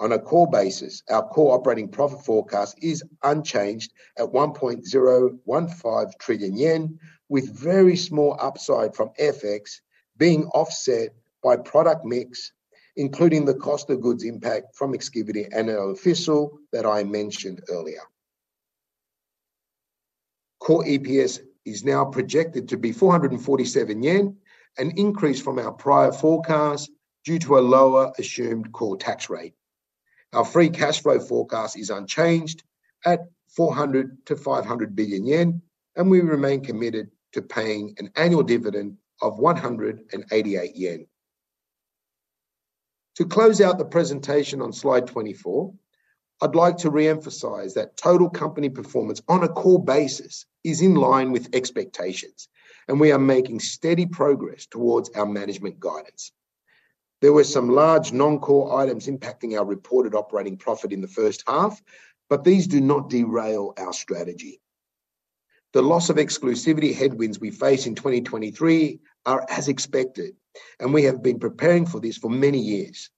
On a core basis, our core operating profit forecast is unchanged at 1.015 trillion yen, with very small upside from FX being offset by product mix, including the cost of goods impact from Exkivity and Alofisel that I mentioned earlier. Core EPS is now projected to be 447 yen, an increase from our prior forecast due to a lower assumed core tax rate. Our free cash flow forecast is unchanged at 400 billion-500 billion yen, and we remain committed to paying an annual dividend of 188 yen. To close out the presentation on slide 24, I'd like to re-emphasize that total company performance on a core basis is in line with expectations, and we are making steady progress towards our management guidance. There were some large non-core items impacting our reported operating profit in the first half, but these do not derail our strategy. The loss of exclusivity headwinds we face in 2023 are as expected, and we have been preparing for this for many years.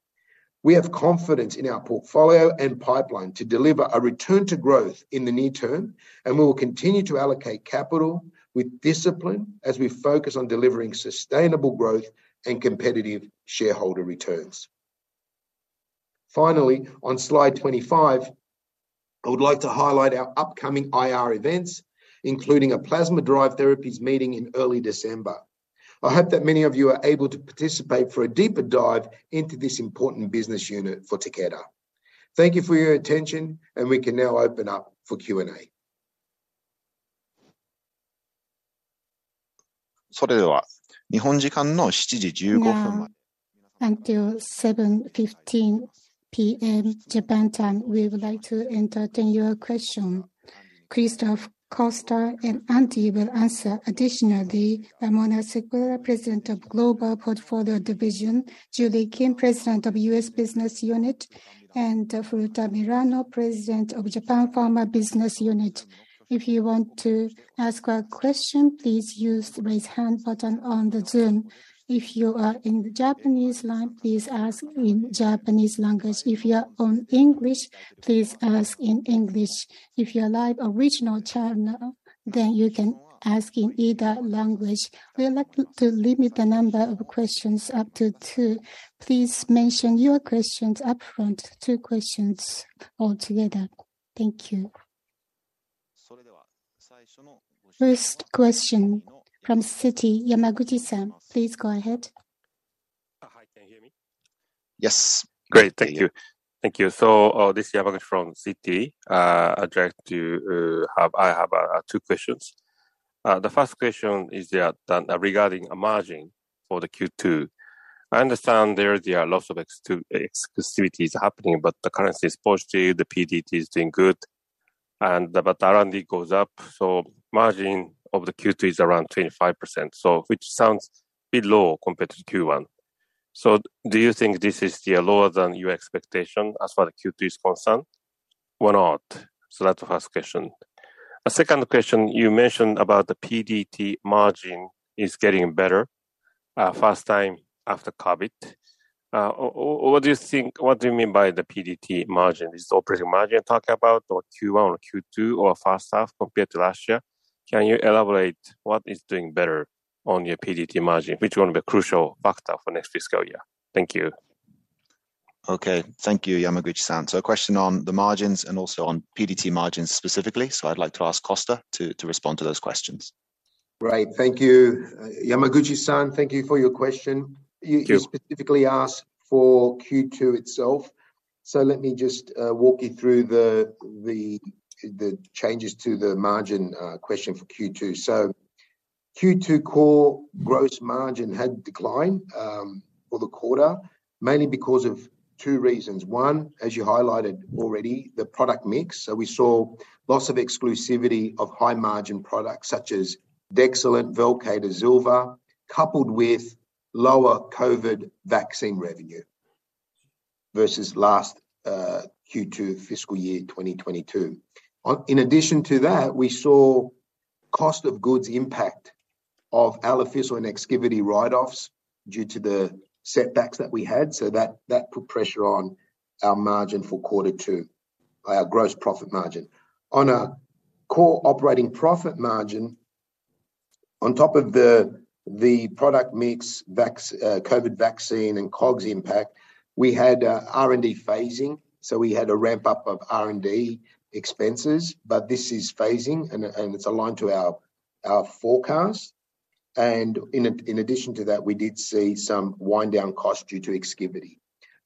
We have confidence in our portfolio and pipeline to deliver a return to growth in the near term, and we will continue to allocate capital with discipline as we focus on delivering sustainable growth and competitive shareholder returns. Finally, on slide 25, I would like to highlight our upcoming IR events, including a Plasma-Derived Therapies meeting in early December. I hope that many of you are able to participate for a deeper dive into this important business unit for Takeda. Thank you for your attention, and we can now open up for Q&A. So there are, Japan time, now 7:15 P.M. Japan time, we would like to entertain your question. Christophe, Costa, and Andy will answer. Additionally, Ramona Sequeira, President of Global Portfolio Division, Julie Kim, President of US Business Unit, and Milano Furuta, President of Japan Pharma Business Unit. If you want to ask a question, please use the Raise Hand button on the Zoom. If you are in the Japanese line, please ask in Japanese language. If you are on English, please ask in English. If you are live original channel, then you can ask in either language. We would like to limit the number of questions up to two. Please mention your questions upfront, two questions altogether. Thank you. First question from Citi, Yamaguchi-san, please go ahead. Hi, can you hear me? Yes. Great, thank you. Thank you. So, this is Yamaguchi from Citi. I have two questions. The first question is regarding a margin for the Q2. I understand there are lots of exclusivities happening, but the currency is positive, the PDT is doing good, and the R&D goes up, so margin of the Q2 is around 25%, which sounds a bit low compared to Q1. So do you think this is still lower than your expectation as far as Q2 is concerned, or not? So that's the first question. A second question, you mentioned about the PDT margin is getting better, first time after COVID. What do you mean by the PDT margin? Is this operating margin you're talking about, or Q1 or Q2, or first half compared to last year? Can you elaborate what is doing better on your PDT margin, which will be a crucial factor for next fiscal year? Thank you. Okay. Thank you, Yamaguchi-san. So a question on the margins and also on PDT margins specifically, so I'd like to ask Costa to respond to those questions. Great. Thank you. Yamaguchi-san, thank you for your question. Thank you. You specifically asked for Q2 itself, so let me just walk you through the changes to the margin question for Q2. So Q2 core gross margin had declined for the quarter, mainly because of two reasons: One, as you highlighted already, the product mix. So we saw loss of exclusivity of high-margin products such as Dexilant, Velcade, Azilva, coupled with lower COVID vaccine revenue versus last Q2 fiscal year 2022. In addition to that, we saw cost of goods impact of Alofisel and Exkivity write-offs due to the setbacks that we had, so that put pressure on our margin for quarter two, our gross profit margin. On a core operating profit margin, on top of the product mix, vaccine COVID vaccine and COGS impact, we had R&D phasing, so we had a ramp-up of R&D expenses, but this is phasing, and it's aligned to our forecast. And in addition to that, we did see some wind down costs due to Exkivity.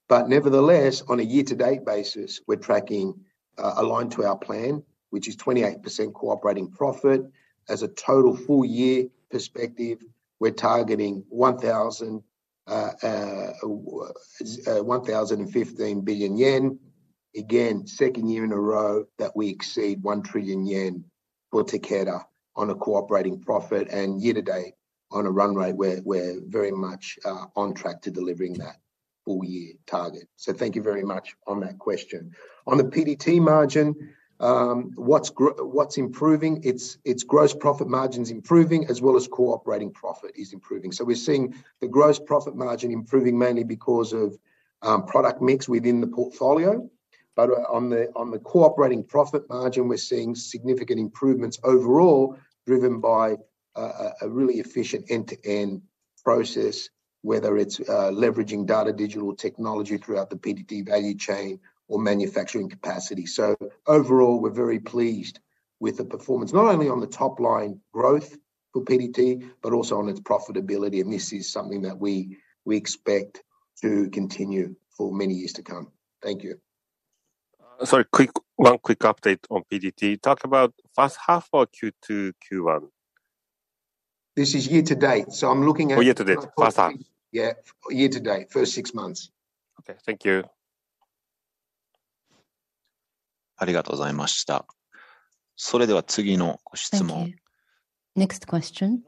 But nevertheless, on a year-to-date basis, we're tracking aligned to our plan, which is 28% core operating profit. As a total full-year perspective, we're targeting 1,015 billion yen. Again, second year in a row that we exceed 1 trillion yen for Takeda on a core operating profit, and year to date, on a run rate, we're very much on track to delivering that full-year target. So thank you very much on that question. On the PDT margin, what's improving? Its gross profit margin's improving, as well as operating profit is improving. So we're seeing the gross profit margin improving mainly because of product mix within the portfolio. But on the operating profit margin, we're seeing significant improvements overall, driven by a really efficient end-to-end process, whether it's leveraging data, digital technology throughout the PDT value chain or manufacturing capacity. So overall, we're very pleased with the performance, not only on the top line growth for PDT, but also on its profitability, and this is something that we expect to continue for many years to come. Thank you. So, quick one, quick update on PDT. Talk about first half or Q2, Q1? This is year to date, so I'm looking at. Oh, year-to-date, first half. Yeah, year to date, first six months. Okay. Thank you. Thank you. Next question.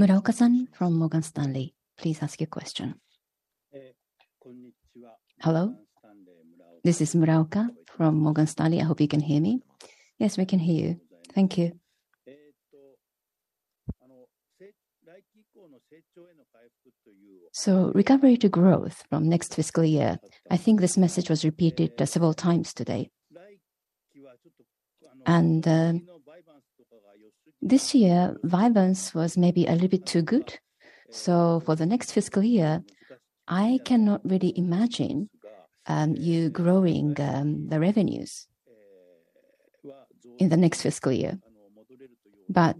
Muraoka-san from Morgan Stanley, please ask your question. Hello, this is Muraoka from Morgan Stanley. I hope you can hear me. Yes, we can hear you. Thank you. So recovery to growth from next fiscal year, I think this message was repeated several times today. And this year, Vyvanse was maybe a little bit too good. So for the next fiscal year, I cannot really imagine you growing the revenues in the next fiscal year. But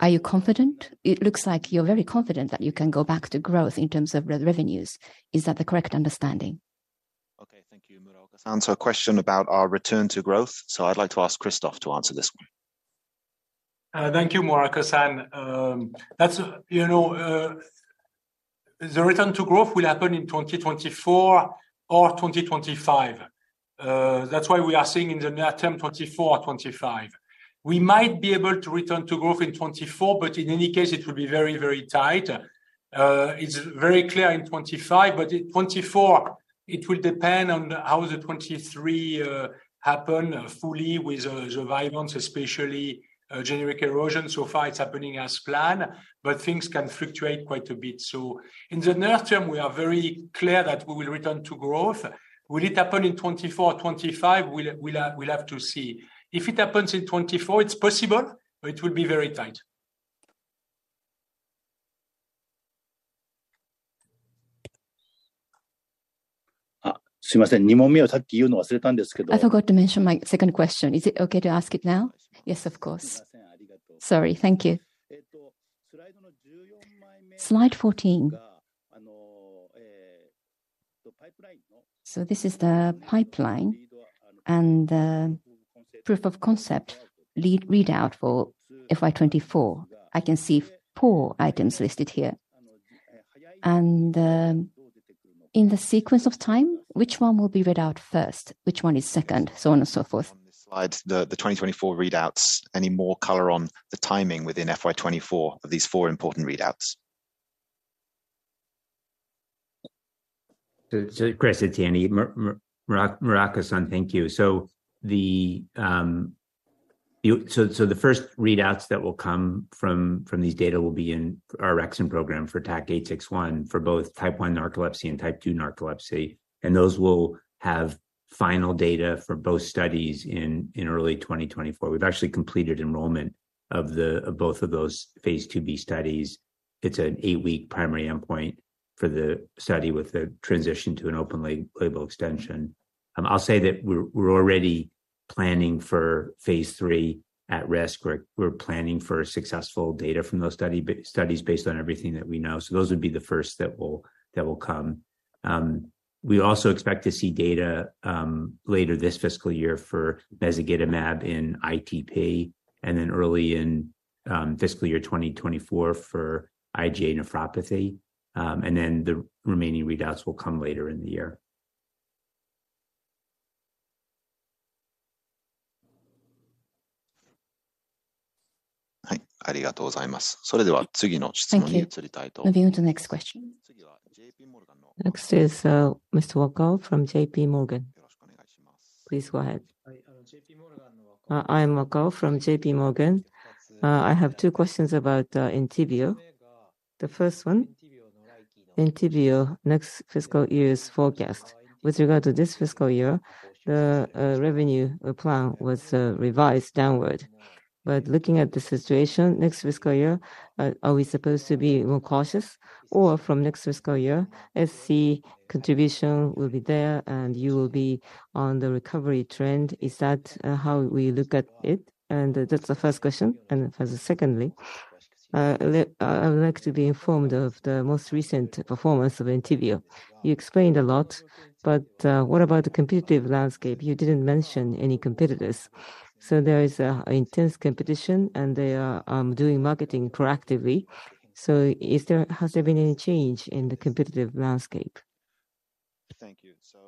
are you confident? It looks like you're very confident that you can go back to growth in terms of revenues. Is that the correct understanding? Okay, thank you, Muraoka-san. A question about our return to growth. I'd like to ask Christophe to answer this one. Thank you, Muraoka-san. That's, you know, the return to growth will happen in 2024 or 2025. That's why we are seeing in the near term 2024, 2025. We might be able to return to growth in 2024, but in any case, it will be very, very tight. It's very clear in 2025, but in 2024, it will depend on how the 2023 happen fully with the Vyvanse, especially, generic erosion. So far, it's happening as planned, but things can fluctuate quite a bit. So in the near term, we are very clear that we will return to growth. Will it happen in 2024 or 2025? We'll, we'll have, we'll have to see. If it happens in 2024, it's possible, but it will be very tight. I forgot to mention my second question. Is it okay to ask it now? Yes, of course. Sorry. Thank you. Slide 14. So this is the pipeline and the proof of concept read, readout for FY 2024. I can see four items listed here. And, in the sequence of time, which one will be read out first, which one is second, so on and so forth? On this slide, the 2024 readouts, any more color on the timing within FY 2024 of these four important readouts? So, Chris. It's Andy, Muraoka-san thank you. So the first readouts that will come from these data will be in our orexin program for TAK-861, for both Type 1 narcolepsy and Type 2 narcolepsy, and those will have final data for both studies in early 2024. We've actually completed enrollment of both of those phase IIb studies. It's an eight-week primary endpoint for the study with the transition to an open label extension. I'll say that we're already planning for phase III at risk. We're planning for successful data from those studies based on everything that we know. So those would be the first that will come. We also expect to see data later this fiscal year for mezagitamab in ITP, and then early in fiscal year 2024 for IgA nephropathy. And then the remaining readouts will come later in the year. Thank you. Moving on to the next question. Next is Mr. Wakao from JPMorgan. Please go ahead. I'm Wakao from JP Morgan. I have two questions about Entyvio. The first one, Entyvio next fiscal year's forecast. With regard to this fiscal year, the revenue plan was revised downward. But looking at the situation next fiscal year, are we supposed to be more cautious? Or from next fiscal year, SC contribution will be there, and you will be on the recovery trend. Is that how we look at it? And that's the first question. And as secondly, I would like to be informed of the most recent performance of Entyvio. You explained a lot, but what about the competitive landscape? You didn't mention any competitors. So there is intense competition, and they are doing marketing proactively. So has there been any change in the competitive landscape? Thank you. So,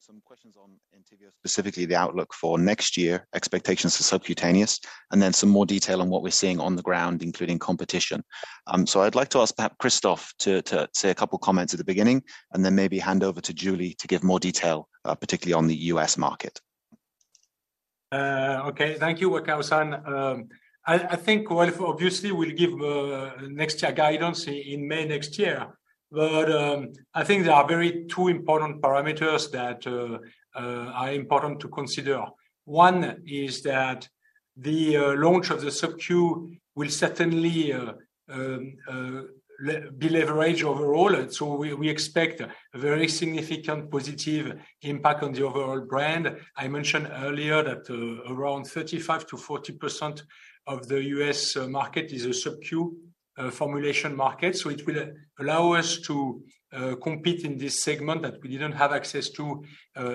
some questions on Entyvio, specifically the outlook for next year, expectations for subcutaneous, and then some more detail on what we're seeing on the ground, including competition. So I'd like to ask perhaps Christophe to, to say a couple of comments at the beginning, and then maybe hand over to Julie to give more detail, particularly on the U.S. market. Okay. Thank you, Wakao-san. I think, well, obviously, we'll give next year guidance in May next year. But, I think there are very two important parameters that are important to consider. One is that the launch of the sub-Q will certainly be leverage overall. And so we expect a very significant positive impact on the overall brand. I mentioned earlier that around 35%-40% of the U.S. market is a sub-Q formulation market, so it will allow us to compete in this segment that we didn't have access to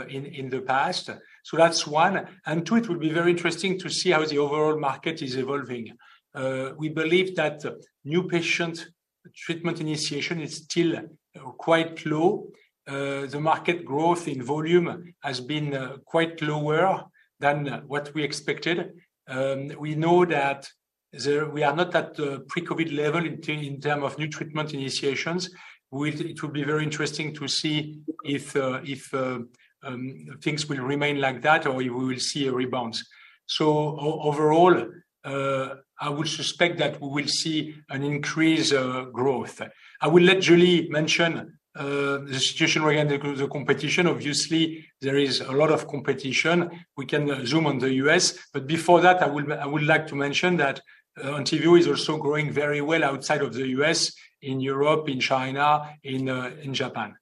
in the past. So that's one, and two, it will be very interesting to see how the overall market is evolving. We believe that new patient treatment initiation is still quite low. The market growth in volume has been quite lower than what we expected. We know that we are not at the pre-COVID level in terms of new treatment initiations. We think it will be very interesting to see if things will remain like that or we will see a rebound. So overall, I would suspect that we will see an increase, growth. I will let Julie mention the situation regarding the competition. Obviously, there is a lot of competition. We can zoom on the U.S., but before that, I would like to mention that Entyvio is also growing very well outside of the U.S., in Europe, in China, in Japan.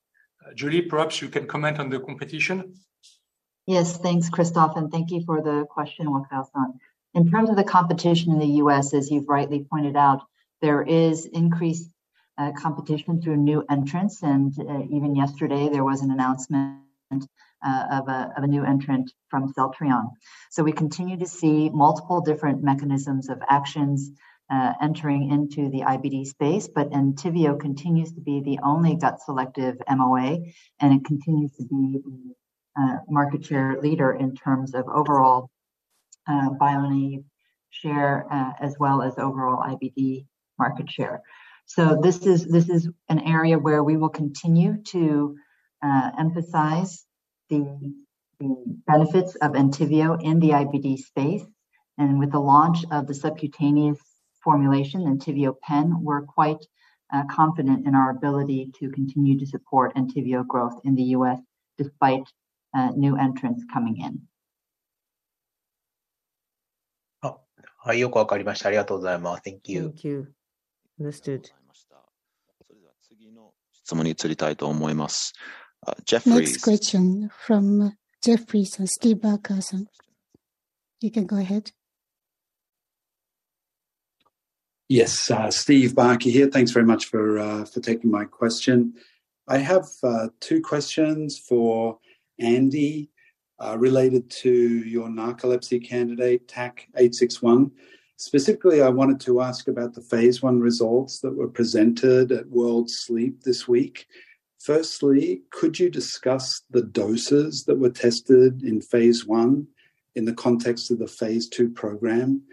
Julie, perhaps you can comment on the competition? Yes. Thanks, Christophe, and thank you for the question, Wakao-san. In terms of the competition in the U.S., as you've rightly pointed out, there is increased competition through new entrants, and even yesterday there was an announcement of a new entrant from Celltrion. So we continue to see multiple different mechanisms of actions entering into the IBD space, but Entyvio continues to be the only gut selective MOA, and it continues to be market share leader in terms of overall biology share as well as overall IBD market share. So this is an area where we will continue to emphasize the benefits of Entyvio in the IBD space. With the launch of the subcutaneous formulation, Entyvio Pen, we're quite confident in our ability to continue to support Entyvio growth in the U.S. despite new entrants coming in. Oh. I hope, thank you. Thank you. Understood. Next question from Jefferies and Steve Barker. You can go ahead. Yes, Steve Barker here. Thanks very much for, for taking my question. I have two questions for Andy, related to your narcolepsy candidate, TAK-861. Specifically, I wanted to ask about the phase I results that were presented at World Sleep this week. Firstly, could you discuss the doses that were tested in phase I in the context of the phase II program?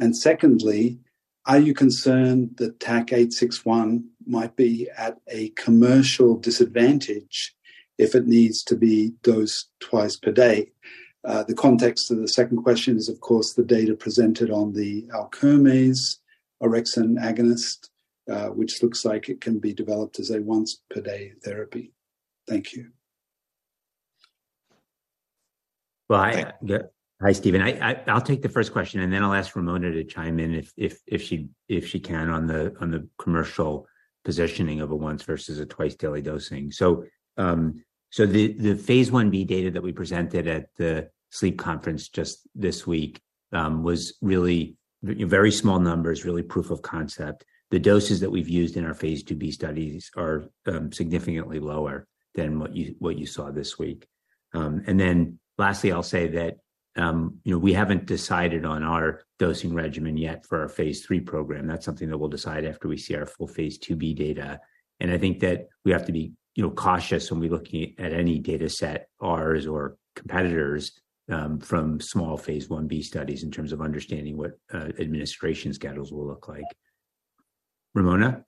And secondly, are you concerned that TAK-861 might be at a commercial disadvantage if it needs to be dosed twice per day? The context of the second question is, of course, the data presented on the Alkermes' orexin agonist, which looks like it can be developed as a once-per-day therapy. Thank you. Well, hi, Steven. I'll take the first question, and then I'll ask Ramona to chime in if she can, on the commercial positioning of a once versus a twice-daily dosing. So, the phase Ib data that we presented at the Sleep conference just this week was really very small numbers, really proof of concept. The doses that we've used in our phase IIb studies are significantly lower than what you saw this week. And then lastly, I'll say that, you know, we haven't decided on our dosing regimen yet for our phase III program. That's something that we'll decide after we see our full phase IIb data. I think that we have to be, you know, cautious when we're looking at any data set, ours or competitors, from small phase Ib studies in terms of understanding what administration schedules will look like. Ramona?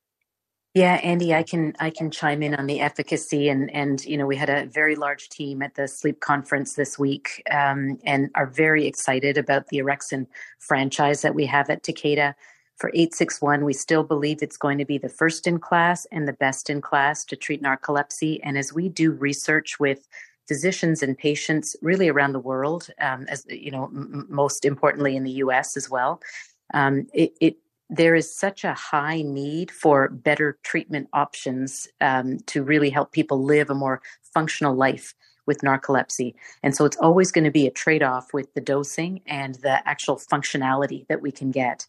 Yeah, Andy, I can chime in on the efficacy and, you know, we had a very large team at the Sleep conference this week, and are very excited about the orexin franchise that we have at Takeda. For 861, we still believe it's going to be the first in class and the best in class to treat narcolepsy. And as we do research with physicians and patients really around the world, as you know, most importantly in the US as well, there is such a high need for better treatment options to really help people live a more functional life with narcolepsy. And so it's always gonna be a trade-off with the dosing and the actual functionality that we can get.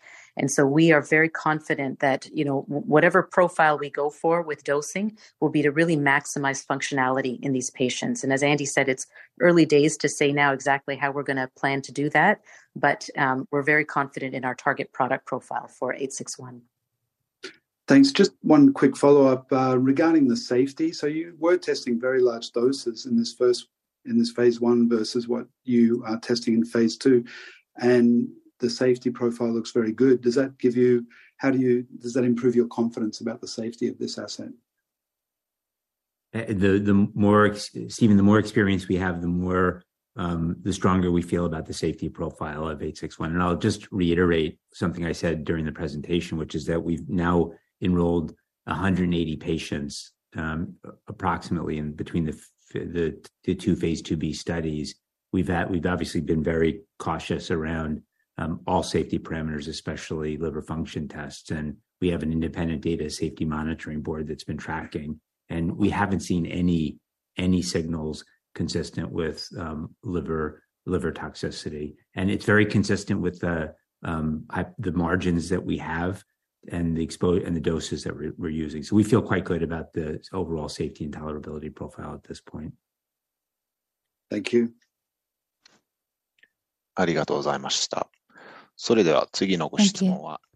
We are very confident that, you know, whatever profile we go for with dosing will be to really maximize functionality in these patients. As Andy said, it's early days to say now exactly how we're gonna plan to do that, but we're very confident in our target product profile for 861. Thanks. Just one quick follow-up, regarding the safety. So you were testing very large doses in this phase I versus what you are testing in phase II, and the safety profile looks very good. Does that give you, wow does that improve your confidence about the safety of this asset? The more experience we have, the more the stronger we feel about the safety profile of 861. And I'll just reiterate something I said during the presentation, which is that we've now enrolled 180 patients, approximately in between the two phase IIb studies. We've obviously been very cautious around all safety parameters, especially liver function tests, and we have an independent data safety monitoring board that's been tracking, and we haven't seen any signals consistent with liver toxicity. And it's very consistent with the margins that we have and the exposure. And the doses that we're using. So we feel quite good about the overall safety and tolerability profile at this point. Thank you. Thank you.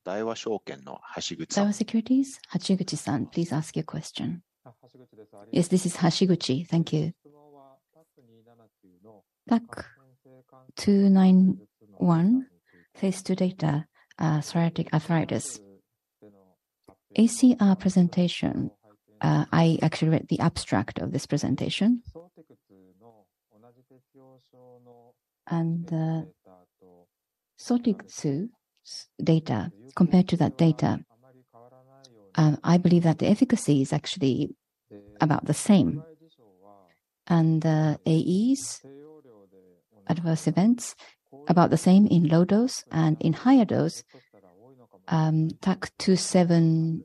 Daiwa Securities, Hashiguchi-san, please ask your question. Yes, this is Hashiguchi. Thank you. TAK-279, phase II data, psoriatic arthritis. ACR presentation, I actually read the abstract of this presentation. Sotyktu's data, compared to that data, I believe that the efficacy is actually about the same. AEs, adverse events, about the same in low dose and in higher dose, TAK-279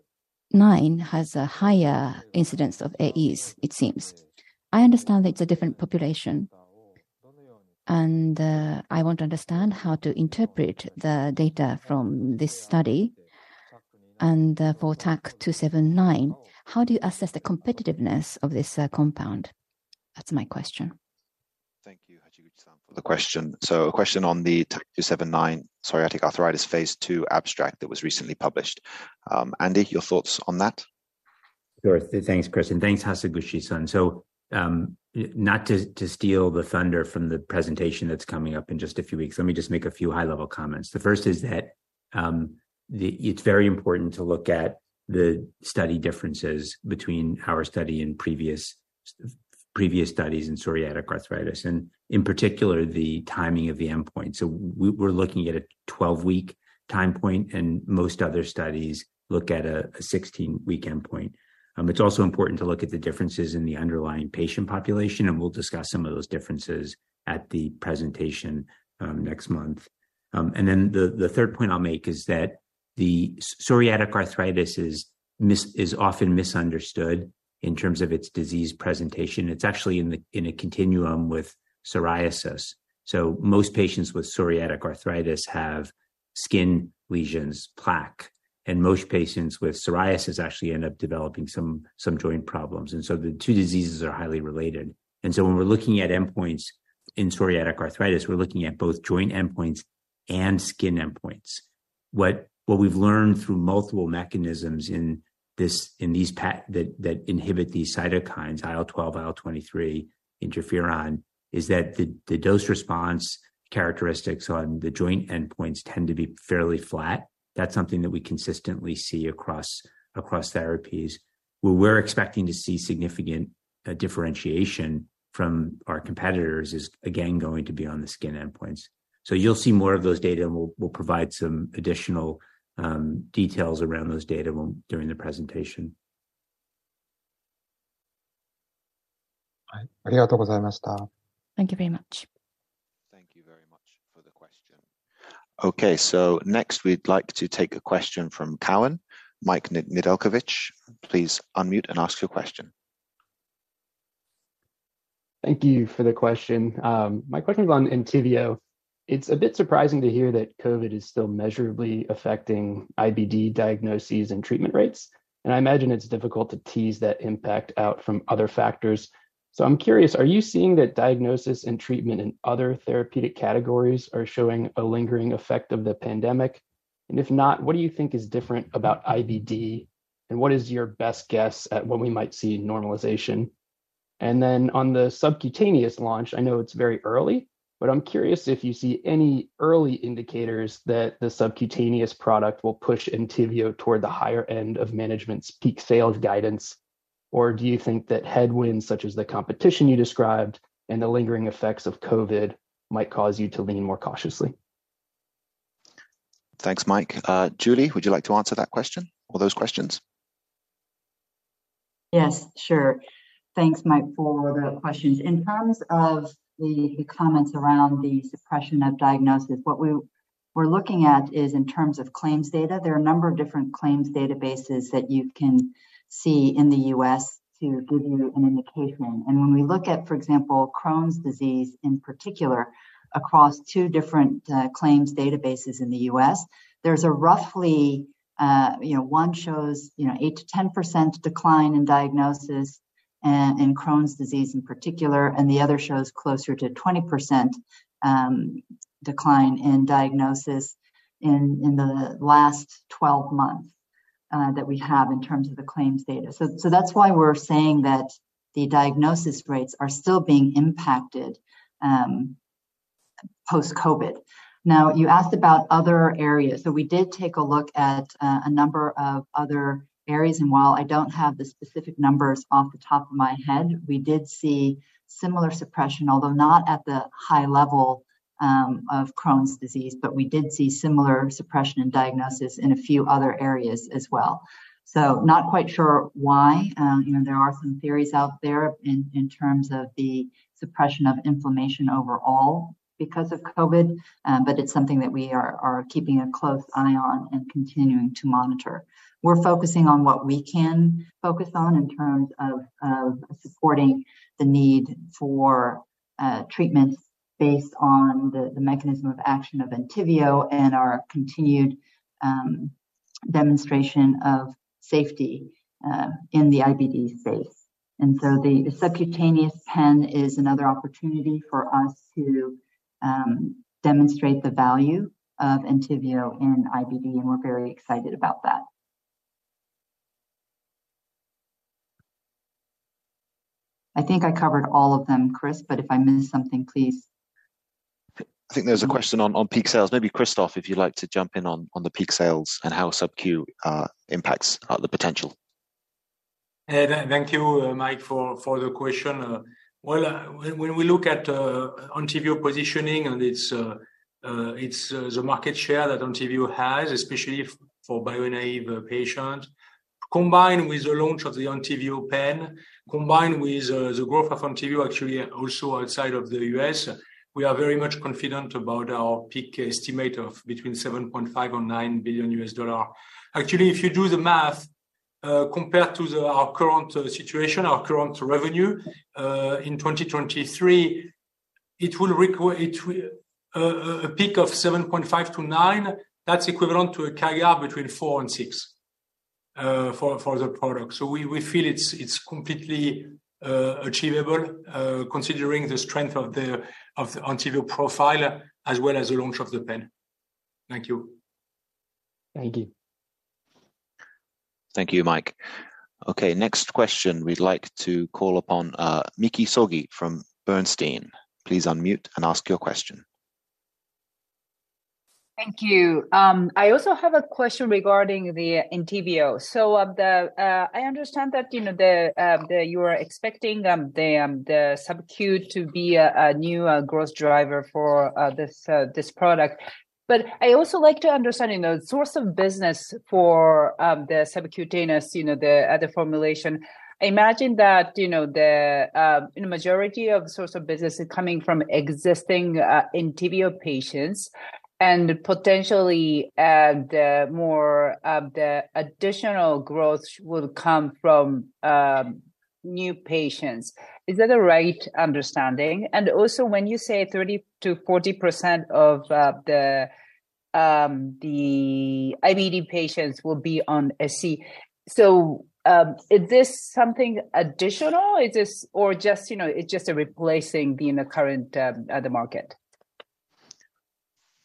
has a higher incidence of AEs, it seems. I understand it's a different population, and I want to understand how to interpret the data from this study. For TAK-279, how do you assess the competitiveness of this compound? That's my question. Thank you, Hashiguchi-san, for the question. A question on the TAK-279 psoriatic arthritis phase II abstract that was recently published. Andy, your thoughts on that? Sure. Thanks, Chris. Thanks, Hashiguchi-san. So, not to steal the thunder from the presentation that's coming up in just a few weeks, let me just make a few high-level comments. The first is that it's very important to look at the study differences between our study and previous, previous studies in psoriatic arthritis, and in particular, the timing of the endpoint. So we're looking at a 12-week time point, and most other studies look at a 16-week endpoint. It's also important to look at the differences in the underlying patient population, and we'll discuss some of those differences at the presentation next month. And then the third point I'll make is that psoriatic arthritis is often misunderstood in terms of its disease presentation. It's actually in a continuum with psoriasis. So most patients with psoriatic arthritis have skin lesions, plaque, and most patients with psoriasis actually end up developing some joint problems. And so the two diseases are highly related. And so when we're looking at endpoints in psoriatic arthritis, we're looking at both joint endpoints and skin endpoints. What we've learned through multiple mechanisms in these pathways that inhibit these cytokines, IL-12, IL-23, interferon, is that the dose response characteristics on the joint endpoints tend to be fairly flat. That's something that we consistently see across therapies. Where we're expecting to see significant differentiation from our competitors is, again, going to be on the skin endpoints. So you'll see more of those data, and we'll provide some additional details around those data during the presentation. Thank you very much, Doctor. Thank you very much for the question. Okay, so next, we'd like to take a question from Cowen. Mike Nedelcovych, please unmute and ask your question. Thank you for the question. My question is on Entyvio. It's a bit surprising to hear that COVID is still measurably affecting IBD diagnoses and treatment rates, and I imagine it's difficult to tease that impact out from other factors. So I'm curious, are you seeing that diagnosis and treatment in other therapeutic categories are showing a lingering effect of the pandemic? And if not, what do you think is different about IBD, and what is your best guess at when we might see normalization? And then on the subcutaneous launch, I know it's very early, but I'm curious if you see any early indicators that the subcutaneous product will push Entyvio toward the higher end of management's peak sales guidance, or do you think that headwinds, such as the competition you described and the lingering effects of COVID, might cause you to lean more cautiously? Thanks, Mike. Julie, would you like to answer that question or those questions? Yes, sure. Thanks, Mike, for the questions. In terms of the comments around the suppression of diagnosis, what we're looking at is in terms of claims data. There are a number of different claims databases that you can see in the U.S. to give you an indication. And when we look at, for example, Crohn's disease in particular, across two different claims databases in the U.S., there's a roughly. You know, one shows, you know, 8%-10% decline in diagnosis in Crohn's disease in particular, and the other shows closer to 20% decline in diagnosis in the last 12 months that we have in terms of the claims data. So that's why we're saying that the diagnosis rates are still being impacted post-COVID. Now, you asked about other areas. So we did take a look at a number of other areas, and while I don't have the specific numbers off the top of my head, we did see similar suppression, although not at the high level of Crohn's disease, but we did see similar suppression and diagnosis in a few other areas as well. So not quite sure why. You know, there are some theories out there in terms of the suppression of inflammation overall because of COVID, but it's something that we are keeping a close eye on and continuing to monitor. We're focusing on what we can focus on in terms of supporting the need for treatments based on the mechanism of action of Entyvio and our continued demonstration of safety in the IBD space. And so the subcutaneous pen is another opportunity for us to demonstrate the value of Entyvio in IBD, and we're very excited about that. I think I covered all of them, Chris, but if I missed something, please. I think there's a question on, on peak sales. Maybe, Christophe, if you'd like to jump in on, on the peak sales and how subQ impacts the potential. Thank you, Mike, for the question. Well, when we look at Entyvio positioning and its market share that Entyvio has, especially for bio-naive patient, combined with the launch of the Entyvio Pen, combined with the growth of Entyvio actually also outside of the U.S., we are very much confident about our peak estimate of between $7.5 billion and $9 billion. Actually, if you do the math, compared to our current situation, our current revenue in 2023, it will require a peak of 7.5 to 9, that's equivalent to a CAGR between 4 and 6 for the product. So we feel it's completely achievable, considering the strength of the Entyvio profile, as well as the launch of the pen. Thank you. Thank you. Thank you, Mike. Okay, next question. We'd like to call upon Miki Sogi from Bernstein. Please unmute and ask your question. Thank you. I also have a question regarding the Entyvio. So of the, I understand that, you know, the, the you are expecting, the, the subQ to be a, a new, growth driver for, this, this product. But I also like to understand, you know, source of business for, the subcutaneous, you know, the, the formulation. I imagine that, you know, the, you know, majority of source of business is coming from existing, Entyvio patients and potentially, the more, of the additional growth will come from, new patients. Is that the right understanding? And also, when you say 30%-40% of, the, the IBD patients will be on SC, so, is this something additional? Is this or just, you know, it's just replacing the, in the current, the market?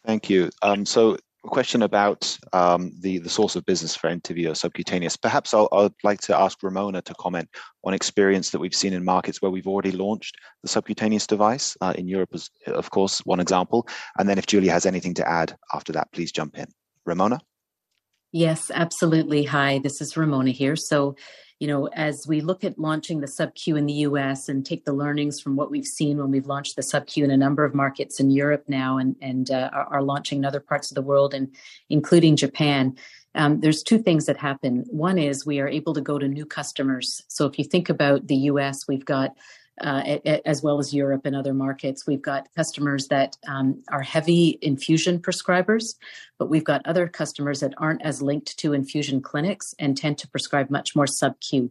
Thank you. So question about the source of business for Entyvio subcutaneous. Perhaps I'd like to ask Ramona to comment on experience that we've seen in markets where we've already launched the subcutaneous device in Europe, is, of course, one example. And then if Julie has anything to add after that, please jump in. Ramona? Yes, absolutely. Hi, this is Ramona here. So, you know, as we look at launching the subQ in the U.S. and take the learnings from what we've seen when we've launched the subQ in a number of markets in Europe now and are launching in other parts of the world and including Japan, there's two things that happen. One is we are able to go to new customers. So if you think about the U.S., we've got, as well as Europe and other markets, we've got customers that are heavy infusion prescribers, but we've got other customers that aren't as linked to infusion clinics and tend to prescribe much more subQ.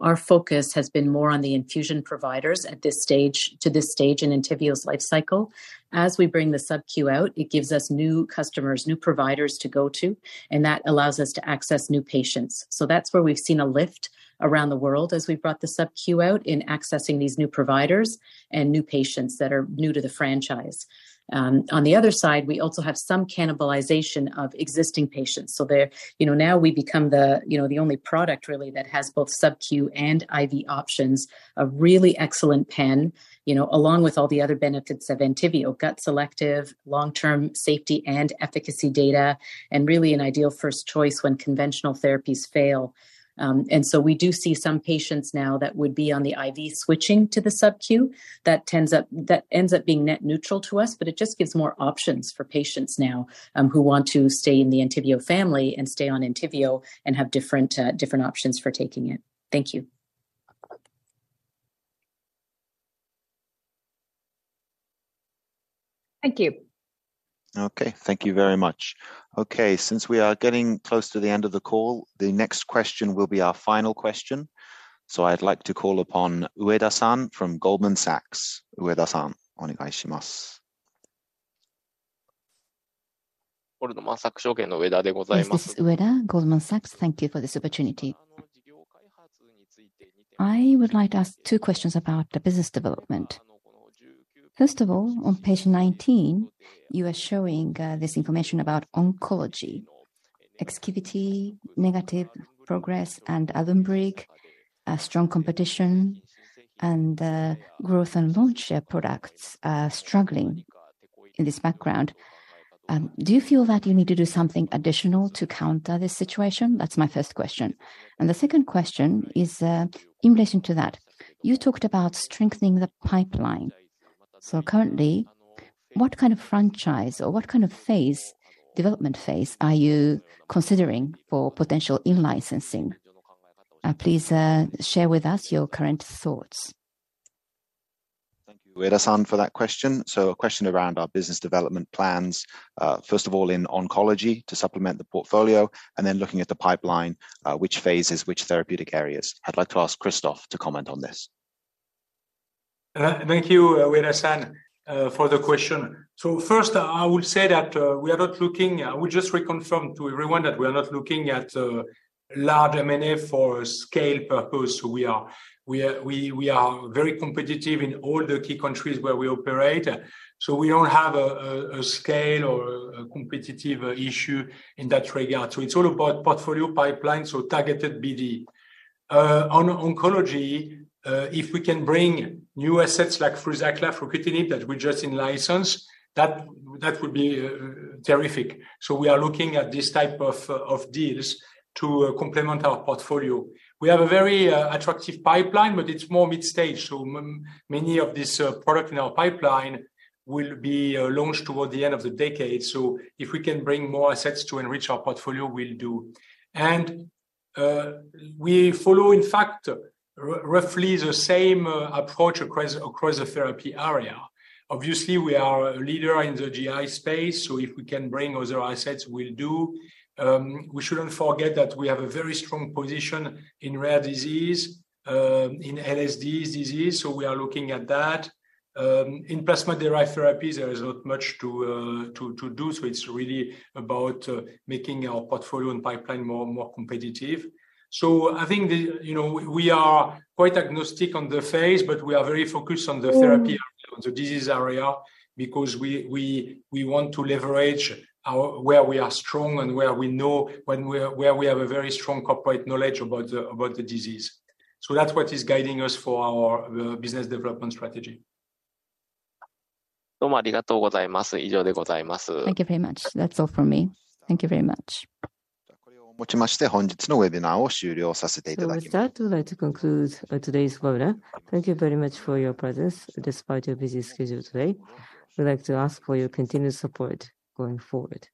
Our focus has been more on the infusion providers at this stage to this stage in Entyvio's life cycle. As we bring the subQ out, it gives us new customers, new providers to go to, and that allows us to access new patients. So that's where we've seen a lift around the world as we've brought the subQ out in accessing these new providers and new patients that are new to the franchise. On the other side, we also have some cannibalization of existing patients. So they're you know, now we become the, you know, the only product really that has both subQ and IV options, a really excellent pen, you know, along with all the other benefits of Entyvio: gut-selective, long-term safety and efficacy data, and really an ideal first choice when conventional therapies fail. And so we do see some patients now that would be on the IV switching to the subQ. That ends up being net neutral to us, but it just gives more options for patients now, who want to stay in the Entyvio family and stay on Entyvio and have different options for taking it. Thank you. Thank you. Okay, thank you very much. Okay, since we are getting close to the end of the call, the next question will be our final question. So I'd like to call upon Ueda-san from Goldman Sachs. Ueda-san, Onegaishimasu. This is Ueda, Goldman Sachs. Thank you for this opportunity. I would like to ask two questions about the business development. First of all, on page 19, you are showing this information about oncology. Exkivity negative progress and Alunbrig, strong competition and, growth and launch products are struggling in this background. Do you feel that you need to do something additional to counter this situation? That's my first question. And the second question is, in relation to that, you talked about strengthening the pipeline. So currently, what kind of franchise or what kind of phase, development phase are you considering for potential in-licensing? Please, share with us your current thoughts. Thank you, Ueda-san, for that question. A question around our business development plans. First of all, in oncology, to supplement the portfolio, and then looking at the pipeline, which phases, which therapeutic areas. I'd like to ask Christophe to comment on this. Thank you, Ueda-san, for the question. So first, I will say that we are not looking. We just reconfirm to everyone that we are not looking at large M&A for scale purpose. We are very competitive in all the key countries where we operate, so we don't have a scale or a competitive issue in that regard. So it's all about portfolio pipeline, so targeted BD. On oncology, if we can bring new assets like FRUZAQLA fruquintinib, that we just in-licensed, that would be terrific. So we are looking at this type of deals to complement our portfolio. We have a very attractive pipeline, but it's more mid-stage, so many of these product in our pipeline will be launched toward the end of the decade. So if we can bring more assets to enrich our portfolio, we'll do. And we follow, in fact, roughly the same approach across the therapy area. Obviously, we are a leader in the GI space, so if we can bring other assets, we'll do. We shouldn't forget that we have a very strong position in rare disease, in LSD disease, so we are looking at that. In plasma-derived therapies, there is not much to do, so it's really about making our portfolio and pipeline more and more competitive. So I think, you know, we are quite agnostic on the phase, but we are very focused on the therapy, on the disease area, because we want to leverage our where we are strong and where we know where we have a very strong corporate knowledge about the disease. So that's what is guiding us for our business development strategy. Thank you very much. That's all from me. Thank you very much. So with that, I'd like to conclude today's webinar. Thank you very much for your presence, despite your busy schedule today. We'd like to ask for your continued support going forward.